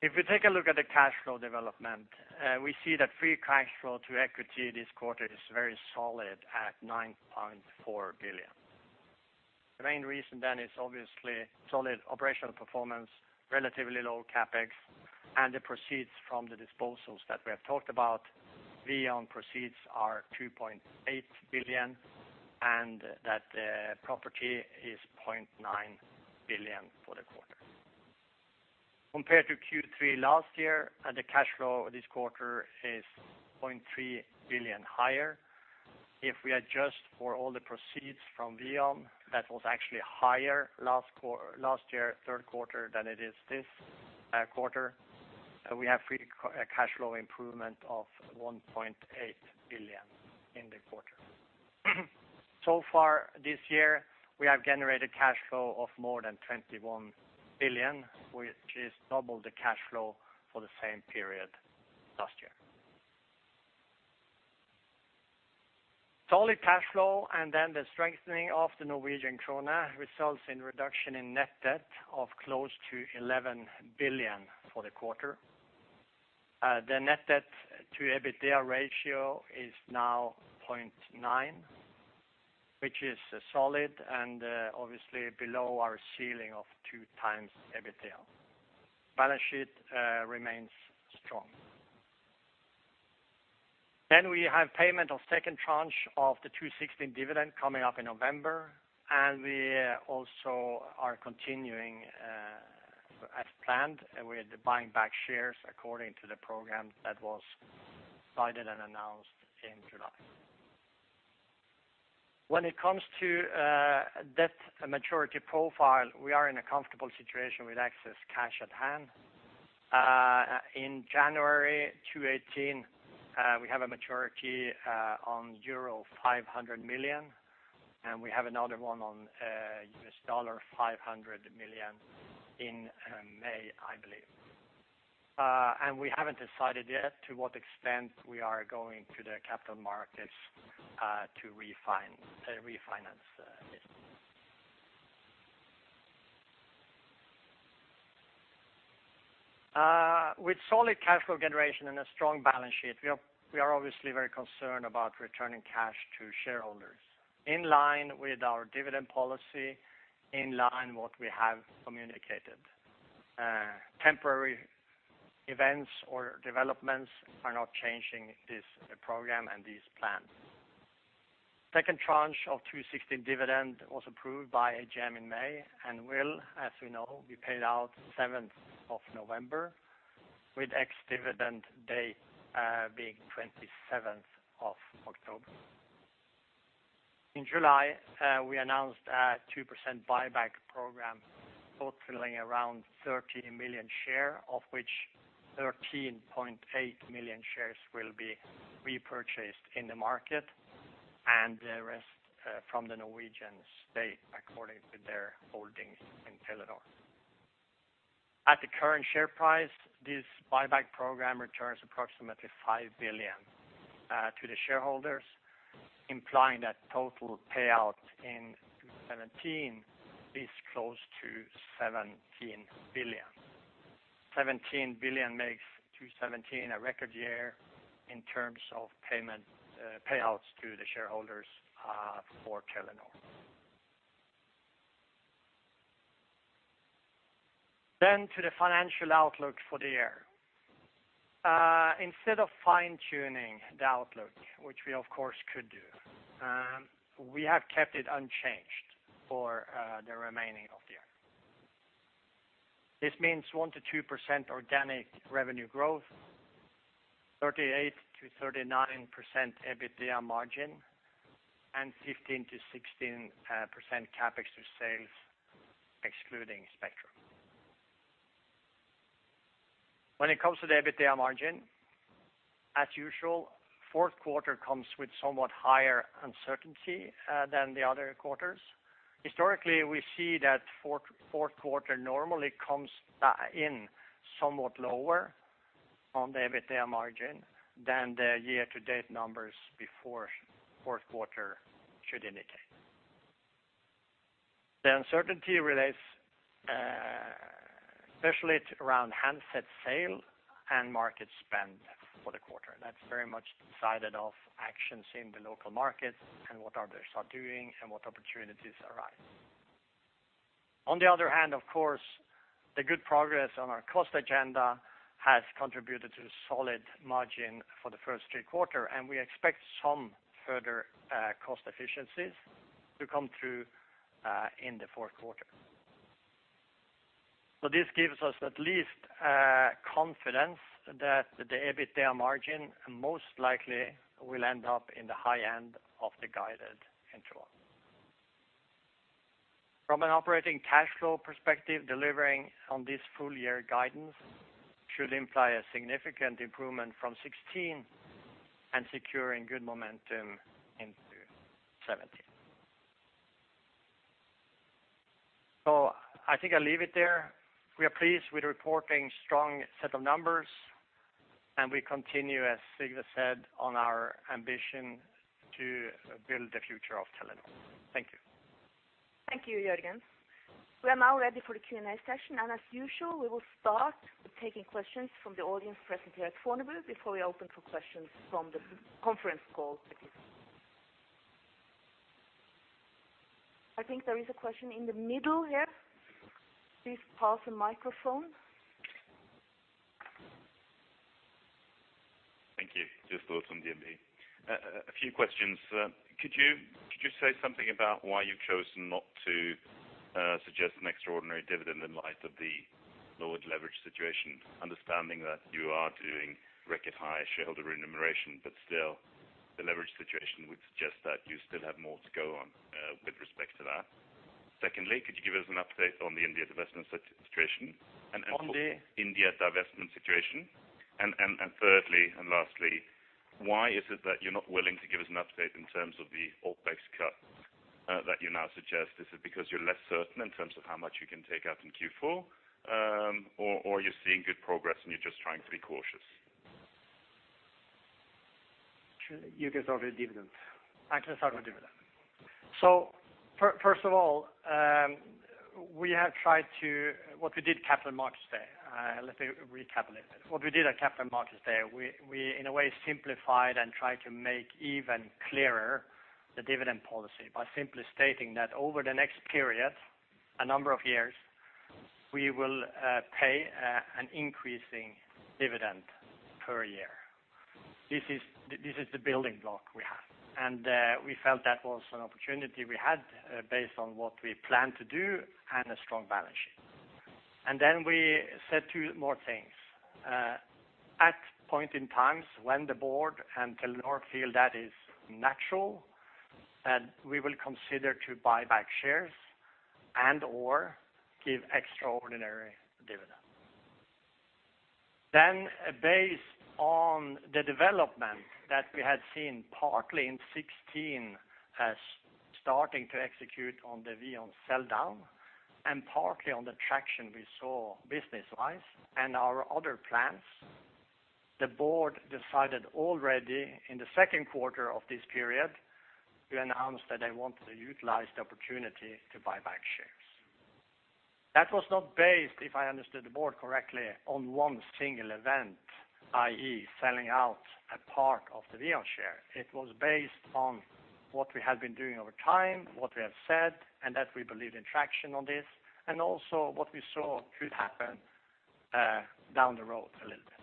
If we take a look at the cash flow development, we see that free cash flow to equity this quarter is very solid at 9.4 billion. The main reason then is obviously solid operational performance, relatively low CapEx, and the proceeds from the disposals that we have talked about. VEON proceeds are 2.8 billion, and that property is 0.9 billion for the quarter. Compared to Q3 last year, the cash flow this quarter is 0.3 billion higher. If we adjust for all the proceeds from VEON, that was actually higher last year, third quarter, than it is this quarter, we have free cash flow improvement of 1.8 billion in the quarter. So far this year, we have generated cash flow of more than 21 billion, which is double the cash flow for the same period last year. Solid cash flow, and then the strengthening of the Norwegian krone results in reduction in net debt of close to 11 billion for the quarter. The net debt to EBITDA ratio is now 0.9, which is solid and obviously below our ceiling of 2x EBITDA. Balance sheet remains strong. Then we have payment of second tranche of the 2016 dividend coming up in November, and we also are continuing, as planned, with buying back shares according to the program that was decided and announced in July. When it comes to debt maturity profile, we are in a comfortable situation with excess cash at hand. In January 2018, we have a maturity on euro 500 million, and we have another one on $500 million in May, I believe. And we haven't decided yet to what extent we are going to the capital markets to refinance this. With solid cash flow generation and a strong balance sheet, we are obviously very concerned about returning cash to shareholders. In line with our dividend policy, in line with what we have communicated, temporary events or developments are not changing this program and these plans. Second tranche of 2016 dividend was approved by AGM in May and will, as we know, be paid out seventh of November, with ex-dividend date being 27th of October. In July, we announced a 2% buyback program totaling around 13 million shares, of which 13.8 million shares will be repurchased in the market, and the rest from the Norwegian state, according to their holdings in Telenor. At the current share price, this buyback program returns approximately 5 billion to the shareholders, implying that total payout in 2017 is close to 17 billion. 17 billion makes 2017 a record year in terms of payment payouts to the shareholders for Telenor. Then to the financial outlook for the year. Instead of fine-tuning the outlook, which we of course could do, we have kept it unchanged for the remaining of the year. This means 1%-2% organic revenue growth, 38%-39% EBITDA margin, and 15%-16% CapEx to sales, excluding spectrum. When it comes to the EBITDA margin, as usual, fourth quarter comes with somewhat higher uncertainty than the other quarters. Historically, we see that fourth quarter normally comes in somewhat lower on the EBITDA margin than the year-to-date numbers before fourth quarter should indicate. The uncertainty relates especially around handset sale and market spend for the quarter. That's very much decided of actions in the local markets and what others are doing and what opportunities arise. On the other hand, of course, the good progress on our cost agenda has contributed to a solid margin for the first three quarter, and we expect some further, cost efficiencies to come through, in the fourth quarter. So this gives us at least, confidence that the EBITDA margin most likely will end up in the high end of the guided interval. From an operating cash flow perspective, delivering on this full year guidance should imply a significant improvement from 2016 and securing good momentum into 2017. So I think I'll leave it there. We are pleased with reporting strong set of numbers, and we continue, as Sigve said, on our ambition to build the future of Telenor. Thank you. Thank you, Jörgen. We are now ready for the Q&A session, and as usual, we will start with taking questions from the audience present here at Fornebu before we open for questions from the conference call participants. I think there is a question in the middle here. Please pass the microphone. Thank you. Just from DNB. A few questions. Could you say something about why you've chosen not to suggest an extraordinary dividend in light of the lowered leverage situation, understanding that you are doing record high shareholder remuneration, but still, the leverage situation would suggest that you still have more to go on with respect to that? Secondly, could you give us an update on the India divestment situation? And thirdly, and lastly, why is it that you're not willing to give us an update in terms of the OpEx cut that you now suggest? Is it because you're less certain in terms of how much you can take out in Q4, or you're seeing good progress, and you're just trying to be cautious? Sure. You can start with dividend. I can start with dividend. So first of all, we have tried to—what we did Capital Markets Day, let me recap a little bit. What we did at Capital Markets Day, we, we, in a way, simplified and tried to make even clearer the dividend policy by simply stating that over the next period, a number of years, we will pay an increasing dividend per year. This is, this is the building block we have, and we felt that was an opportunity we had, based on what we planned to do and a strong balance sheet. And then we said two more things. At points in time when the board and Telenor feel that is natural, and we will consider to buy back shares and/or give extraordinary dividend. Then, based on the development that we had seen, partly in 2016, as starting to execute on the VEON sell-down, and partly on the traction we saw business-wise and our other plans, the board decided already in the second quarter of this period, to announce that they want to utilize the opportunity to buy back shares. That was not based, if I understood the board correctly, on one single event, i.e., selling out a part of the VEON share. It was based on what we have been doing over time, what we have said, and that we believed in traction on this, and also what we saw could happen, down the road a little bit.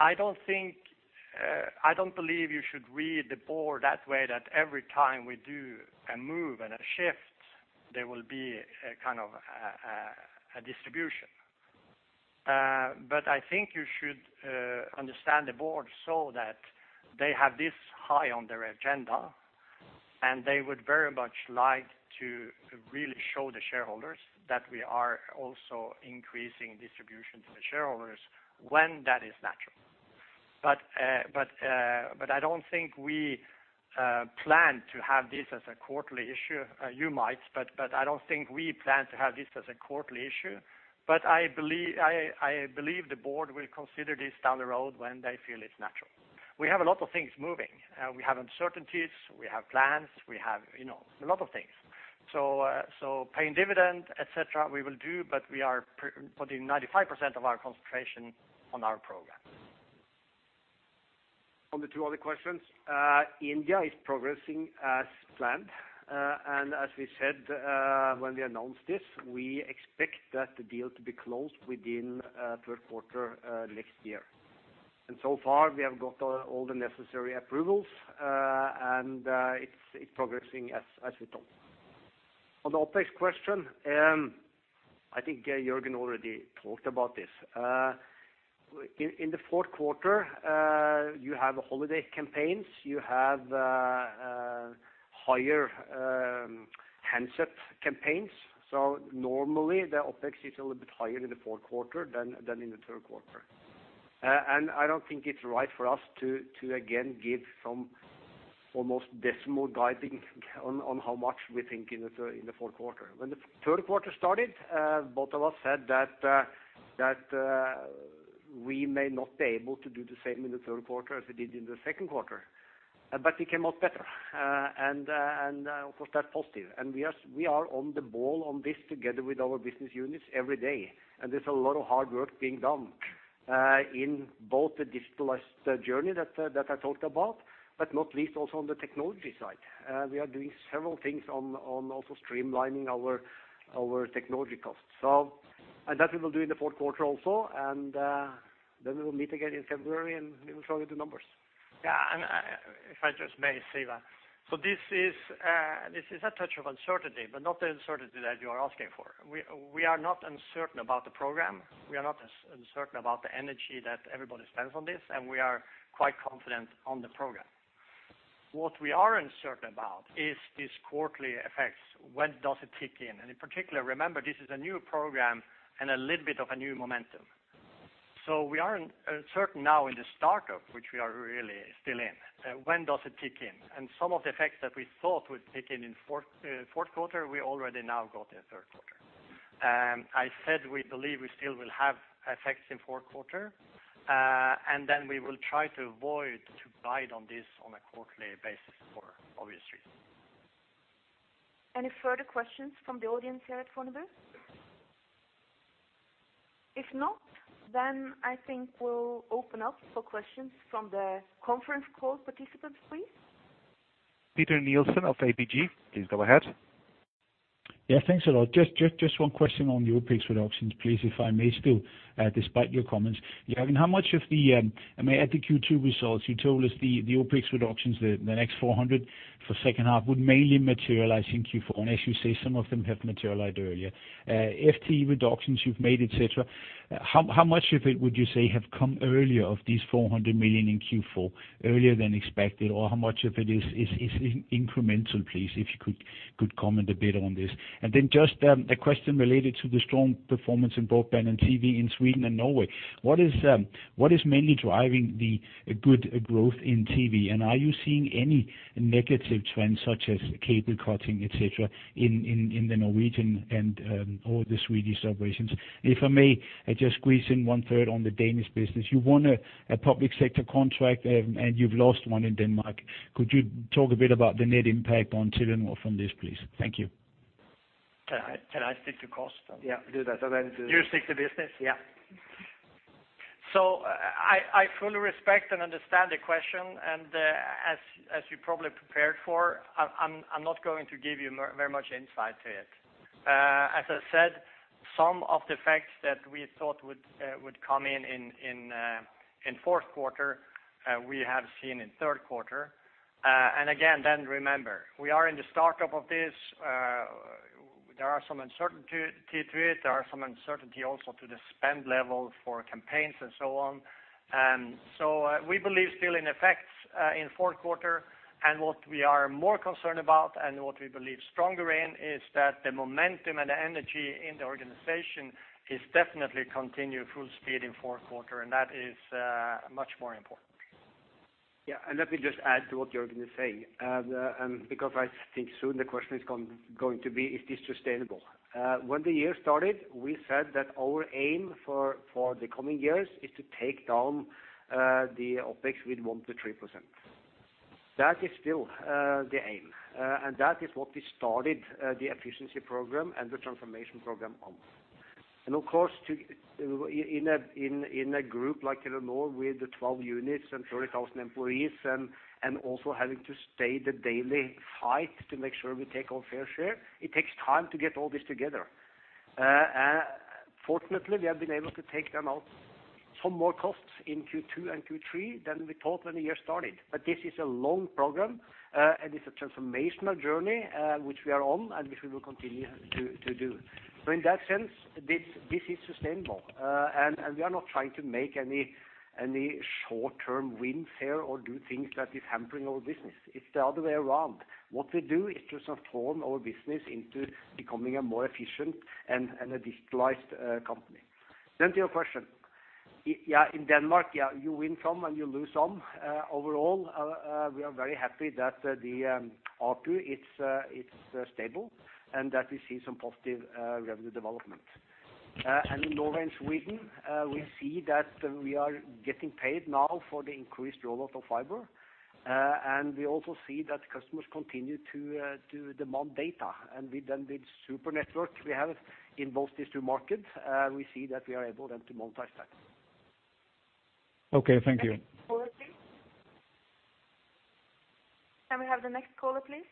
I don't think, I don't believe you should read the board that way, that every time we do a move and a shift, there will be a kind of a distribution. But I think you should understand the board so that they have this high on their agenda, and they would very much like to really show the shareholders that we are also increasing distribution to the shareholders when that is natural. But I don't think we plan to have this as a quarterly issue. You might, but I don't think we plan to have this as a quarterly issue, but I believe the board will consider this down the road when they feel it's natural. We have a lot of things moving. We have uncertainties, we have plans, we have, you know, a lot of things. So, so paying dividend, et cetera, we will do, but we are putting 95% of our concentration on our program. On the two other questions, India is progressing as planned. And as we said, when we announced this, we expect that the deal to be closed within third quarter next year. And so far, we have got all the necessary approvals, and it's progressing as we talked. On the OpEx question, I think Jørgen already talked about this. In the fourth quarter, you have holiday campaigns, you have...... higher, handset campaigns. So normally the OpEx is a little bit higher in the fourth quarter than in the third quarter. And I don't think it's right for us to again give some almost decimal guiding on how much we think in the fourth quarter. When the third quarter started, both of us said that we may not be able to do the same in the third quarter as we did in the second quarter, but we came out better. And of course, that's positive. And we are on the ball on this together with our business units every day, and there's a lot of hard work being done in both the digitalized journey that I talked about, but not least also on the technology side. We are doing several things on also streamlining our technology costs. So, and that we will do in the fourth quarter also, and then we will meet again in February, and we will show you the numbers. Yeah, and I, if I just may, Sigve, so this is a touch of uncertainty, but not the uncertainty that you are asking for. We, we are not uncertain about the program. We are not as uncertain about the energy that everybody spends on this, and we are quite confident on the program. What we are uncertain about is these quarterly effects. When does it kick in? And in particular, remember, this is a new program and a little bit of a new momentum. So we are uncertain now in the startup, which we are really still in. When does it kick in? And some of the effects that we thought would kick in in fourth quarter, we already now got in third quarter. I said we believe we still will have effects in fourth quarter, and then we will try to avoid to guide on this on a quarterly basis for obvious reasons. Any further questions from the audience here at Fornebu? If not, then I think we'll open up for questions from the conference call participants, please. Peter Nielsen of ABG, please go ahead. Yeah, thanks a lot. Just one question on the OpEx reductions, please, if I may still, despite your comments. Jørgen, how much of the, I mean, at the Q2 results, you told us the OpEx reductions, the next 400 million for second half would mainly materialize in Q4, and as you say, some of them have materialized earlier. FTE reductions you've made, et cetera, how much of it would you say have come earlier of these 400 million in Q4, earlier than expected? Or how much of it is incremental, please, if you could comment a bit on this. And then just a question related to the strong performance in broadband and TV in Sweden and Norway. What is mainly driving the good growth in TV? Are you seeing any negative trends, such as cable cutting, et cetera, in the Norwegian and or the Swedish operations? If I may, I just squeeze in one-third on the Danish business. You won a public sector contract, and you've lost one in Denmark. Could you talk a bit about the net impact on Telenor from this, please? Thank you. Can I stick to cost? Yeah, do that, and then- You stick to business? Yeah. So I fully respect and understand the question, and, as you probably prepared for, I'm not going to give you very much insight to it. As I said, some of the effects that we thought would come in in fourth quarter, we have seen in third quarter. And again, then remember, we are in the startup of this. There are some uncertainty to it. There are some uncertainty also to the spend level for campaigns and so on. We believe still in effects in fourth quarter, and what we are more concerned about and what we believe stronger in, is that the momentum and the energy in the organization is definitely continue full speed in fourth quarter, and that is much more important. Yeah, and let me just add to what Jørgen is saying. Because I think soon the question is going to be, is this sustainable? When the year started, we said that our aim for the coming years is to take down the OpEx with 1%-3%. That is still the aim, and that is what we started the efficiency program and the transformation program on. And of course, in a group like Telenor with 12 units and 30,000 employees and also having to stay the daily fight to make sure we take our fair share, it takes time to get all this together. Fortunately, we have been able to take out some more costs in Q2 and Q3 than we thought when the year started. But this is a long program, and it's a transformational journey, which we are on and which we will continue to do. So in that sense, this is sustainable. And we are not trying to make any short-term wins here or do things that is hampering our business. It's the other way around. What we do is to transform our business into becoming a more efficient and a digitalized company. Then to your question, yeah, in Denmark, yeah, you win some and you lose some. Overall, we are very happy that the R2 it's stable and that we see some positive revenue development. In Norway and Sweden, we see that we are getting paid now for the increased rollout of fiber, and we also see that customers continue to demand data. With then the super network we have in both these two markets, we see that we are able then to monetize that. Okay, thank you. Next caller, please. Can we have the next caller, please?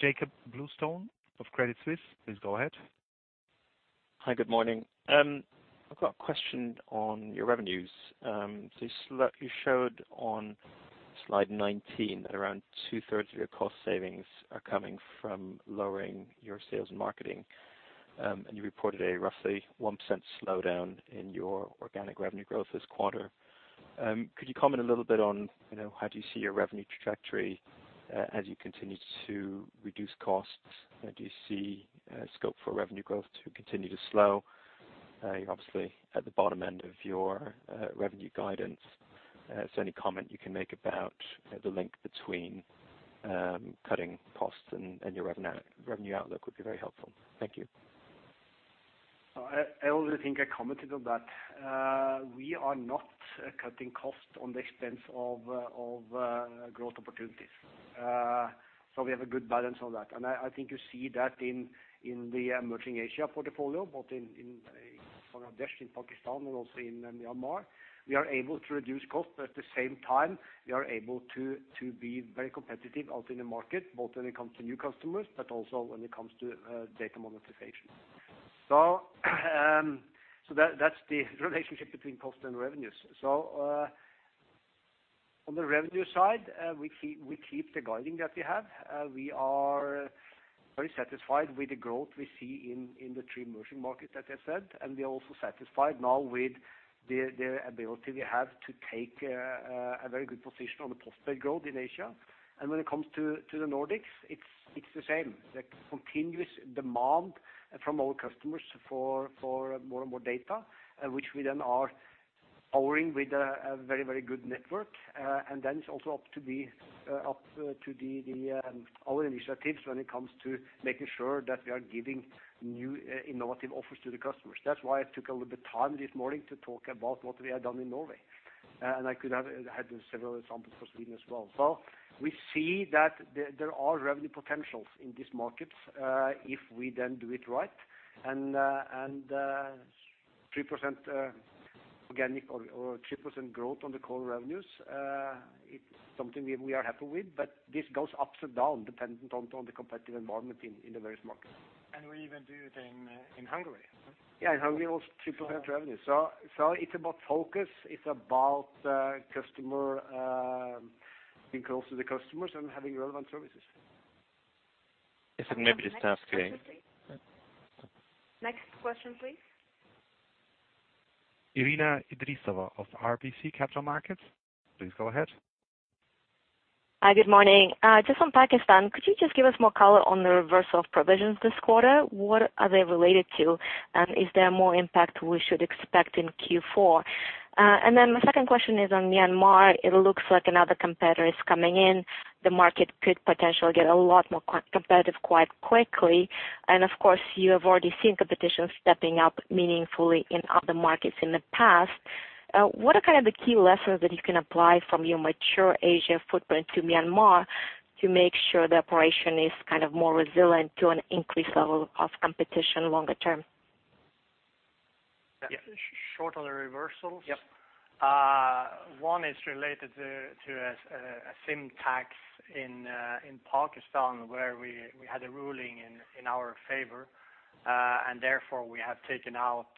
Jakob Bluestone of Credit Suisse, please go ahead. Hi, good morning. I've got a question on your revenues. So you showed on slide 19 that around two-thirds of your cost savings are coming from lowering your sales and marketing, and you reported a roughly 1% slowdown in your organic revenue growth this quarter. Could you comment a little bit on, you know, how do you see your revenue trajectory as you continue to reduce costs? Do you see scope for revenue growth to continue to slow? You're obviously at the bottom end of your revenue guidance. So any comment you can make about the link between cutting costs and your revenue outlook would be very helpful. Thank you. I already think I commented on that. We are not cutting costs on the expense of growth opportunities. So we have a good balance on that. And I think you see that in the emerging Asia portfolio, both in Bangladesh, in Pakistan, and also in Myanmar. We are able to reduce costs, but at the same time, we are able to be very competitive out in the market, both when it comes to new customers, but also when it comes to data monetization. So that, that's the relationship between cost and revenues. So on the revenue side, we keep the guiding that we have. We are very satisfied with the growth we see in the three emerging markets, as I said, and we are also satisfied now with the ability we have to take a very good position on the post-paid growth in Asia. And when it comes to the Nordics, it's the same. The continuous demand from our customers for more and more data, which we then are powering with a very, very good network. And then it's also up to our initiatives when it comes to making sure that we are giving new, innovative offers to the customers. That's why I took a little bit of time this morning to talk about what we had done in Norway, and I could have had several examples for Sweden as well. So we see that there are revenue potentials in these markets, if we then do it right. And 3%, organic or 3% growth on the core revenues, it's something we are happy with, but this goes up and down, dependent on the competitive environment in the various markets. We even do it in Hungary. Yeah, in Hungary, also 3% revenue. So, it's about focus, it's about customer being close to the customers and having relevant services. Yes, and maybe just to ask a- Next question, please? Irina Idrissova of RBC Capital Markets, please go ahead. Hi, good morning. Just on Pakistan, could you just give us more color on the reversal of provisions this quarter? What are they related to, and is there more impact we should expect in Q4? And then my second question is on Myanmar. It looks like another competitor is coming in. The market could potentially get a lot more competitive quite quickly. And of course, you have already seen competition stepping up meaningfully in other markets in the past. What are kind of the key lessons that you can apply from your mature Asia footprint to Myanmar to make sure the operation is kind of more resilient to an increased level of competition longer term? Short on the reversals. Yep. One is related to a SIM tax in Pakistan, where we had a ruling in our favor. Therefore, we have taken out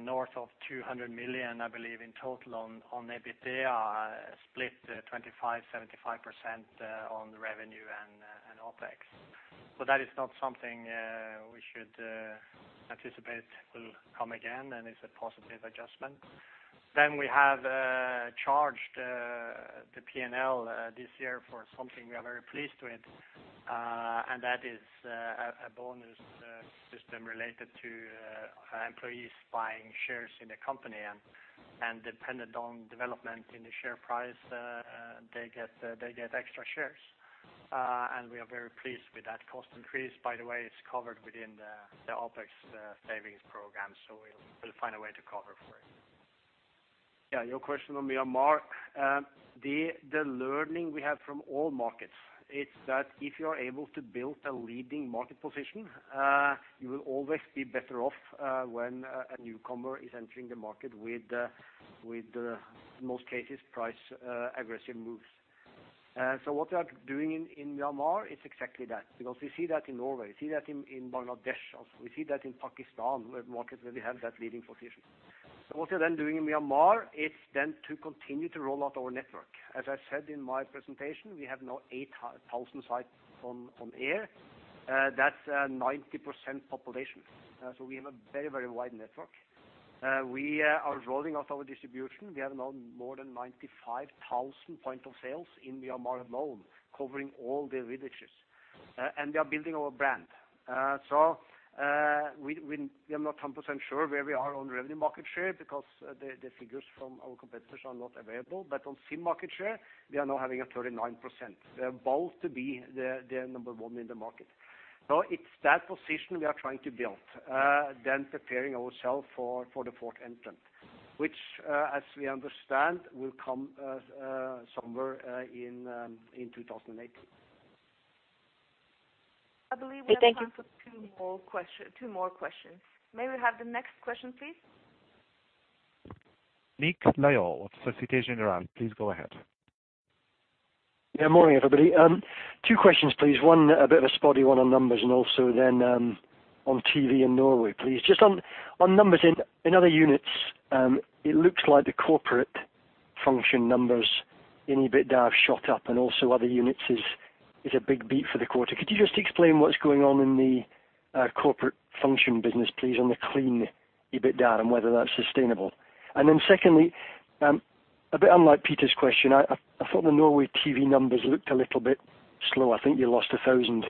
north of 200 million, I believe, in total on EBITDA, split 25%-75% on the revenue and OpEx. That is not something we should anticipate will come again, and it's a positive adjustment. We have charged the P&L this year for something we are very pleased with, and that is a bonus system related to employees buying shares in the company, and dependent on development in the share price, they get extra shares. We are very pleased with that cost increase. By the way, it's covered within the OpEx savings program, so we'll find a way to cover for it. Yeah, your question on Myanmar. The learning we have from all markets is that if you are able to build a leading market position, you will always be better off when a newcomer is entering the market with, in most cases, price aggressive moves. So what we are doing in Myanmar is exactly that, because we see that in Norway, we see that in Bangladesh, also. We see that in Pakistan, where markets really have that leading position. So what we are then doing in Myanmar is then to continue to roll out our network. As I said in my presentation, we have now 8,000 sites on air. That's 90% population. We are rolling out our distribution. We have now more than 95,000 point of sales in Myanmar alone, covering all the villages, and we are building our brand. So, we are not 100% sure where we are on revenue market share, because the figures from our competitors are not available, but on SIM market share, we are now having a 39%. We aim to be the number one in the market. So it's that position we are trying to build, then preparing ourself for the fourth entrant, which, as we understand, will come somewhere in 2018. Okay, thank you. I believe we have time for two more questions. May we have the next question, please? Nick Lyall of Société Générale. Please go ahead. Yeah, morning, everybody. Two questions, please. One, a bit of a spotty one on numbers, and also then on TV in Norway, please. Just on numbers, in other units, it looks like the corporate-... function numbers in EBITDA have shot up and also other units is a big beat for the quarter. Could you just explain what's going on in the corporate function business, please, on the clean EBITDA, and whether that's sustainable? And then secondly, a bit unlike Peter's question, I thought the Norway TV numbers looked a little bit slow. I think you lost 1,000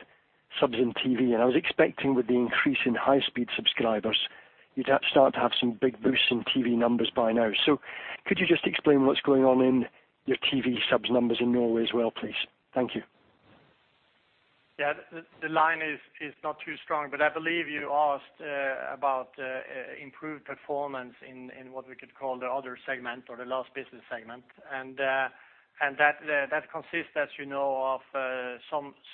subs in TV, and I was expecting with the increase in high-speed subscribers, you'd have start to have some big boosts in TV numbers by now. So could you just explain what's going on in your TV subs numbers in Norway as well, please? Thank you. Yeah. The line is not too strong, but I believe you asked about improved performance in what we could call the other segment or the last business segment. And that consists, as you know, of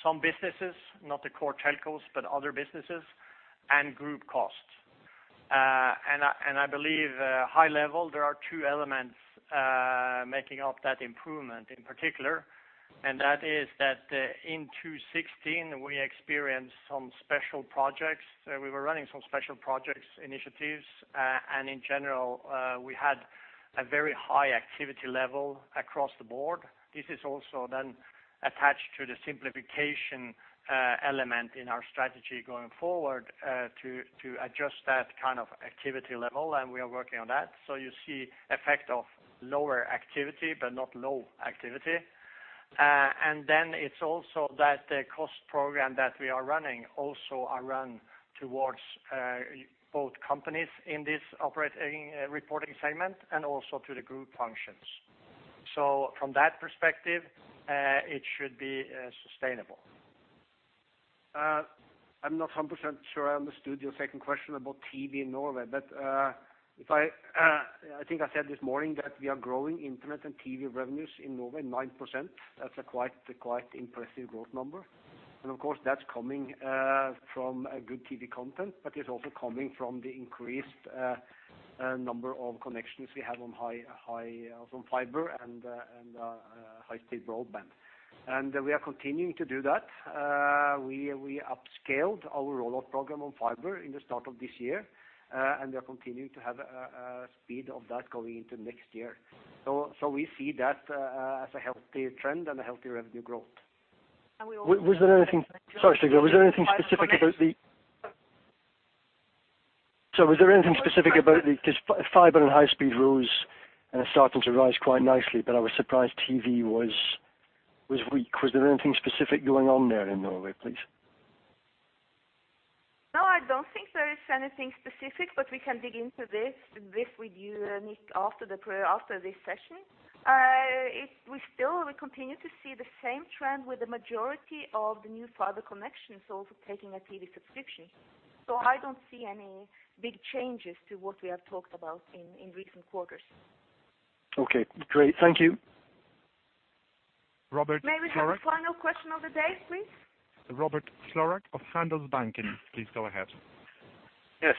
some businesses, not the core telcos, but other businesses and group costs. And I believe, high level, there are two elements making up that improvement in particular, and that is that, in 2016, we experienced some special projects. We were running some special projects, initiatives, and in general, we had a very high activity level across the board. This is also then attached to the simplification element in our strategy going forward, to adjust that kind of activity level, and we are working on that. So you see effect of lower activity, but not low activity. And then it's also that the cost program that we are running also are run towards both companies in this operating reporting segment and also to the group functions. So from that perspective, it should be sustainable. I'm not 100% sure I understood your second question about TV in Norway, but I think I said this morning that we are growing internet and TV revenues in Norway, 9%. That's a quite impressive growth number. And of course, that's coming from a good TV content, but it's also coming from the increased number of connections we have on high on fiber and high-speed broadband. And we are continuing to do that. We upscaled our rollout program on fiber at the start of this year, and we are continuing to have a speed of that going into next year. So we see that as a healthier trend and a healthier revenue growth. And we all- Sorry, so was there anything specific about the, 'cause fiber and high speed rose and are starting to rise quite nicely, but I was surprised TV was, was weak. Was there anything specific going on there in Norway, please? No, I don't think there is anything specific, but we can dig into this with you, Nick, after this session. We still continue to see the same trend with the majority of the new fiber connections also taking a TV subscription. So I don't see any big changes to what we have talked about in recent quarters. Okay, great. Thank you. Rickard Florck. May we have the final question of the day, please? Rickard Florck of Handelsbanken. Please go ahead. Yes,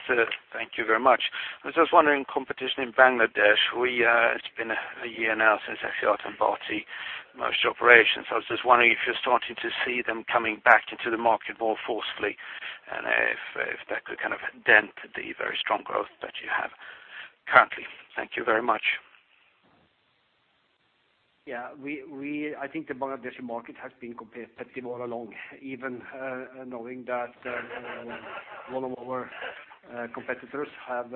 thank you very much. I was just wondering, competition in Bangladesh, we, it's been a year now since Axiata bought the merged operations. I was just wondering if you're starting to see them coming back into the market more forcefully, and if that could kind of dent the very strong growth that you have currently. Thank you very much. Yeah, I think the Bangladesh market has been competitive all along, even knowing that one of our competitors have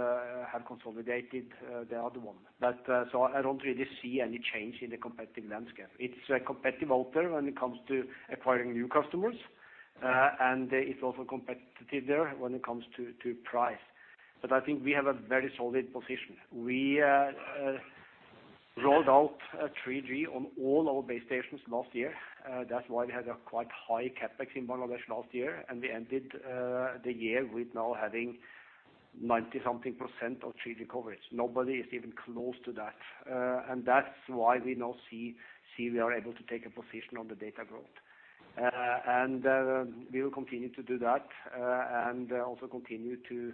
consolidated the other one. But so I don't really see any change in the competitive landscape. It's competitive out there when it comes to acquiring new customers, and it's also competitive there when it comes to price. But I think we have a very solid position. We rolled out 3G on all our base stations last year. That's why we had a quite high CapEx in Bangladesh last year, and we ended the year with now having 90-something% of 3G coverage. Nobody is even close to that, and that's why we now see we are able to take a position on the data growth. And we will continue to do that, and also continue to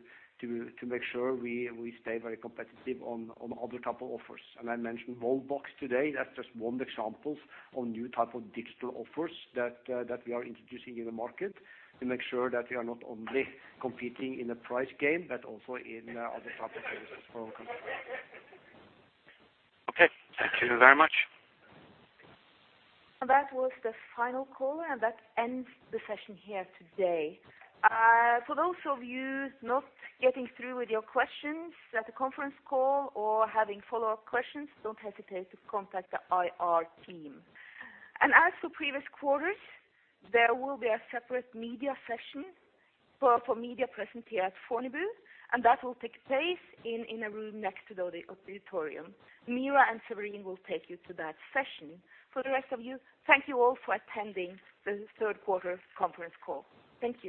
make sure we stay very competitive on other type of offers. And I mentioned Vault Box today. That's just one example on new type of digital offers that we are introducing in the market to make sure that we are not only competing in a price game, but also in other types of services for our customers. Okay, thank you very much. That was the final call, and that ends the session here today. For those of you not getting through with your questions at the conference call or having follow-up questions, don't hesitate to contact the IR team. And as for previous quarters, there will be a separate media session for media present here at Fornebu, and that will take place in a room next to the auditorium. Mira and Serene will take you to that session. For the rest of you, thank you all for attending the third quarter conference call. Thank you.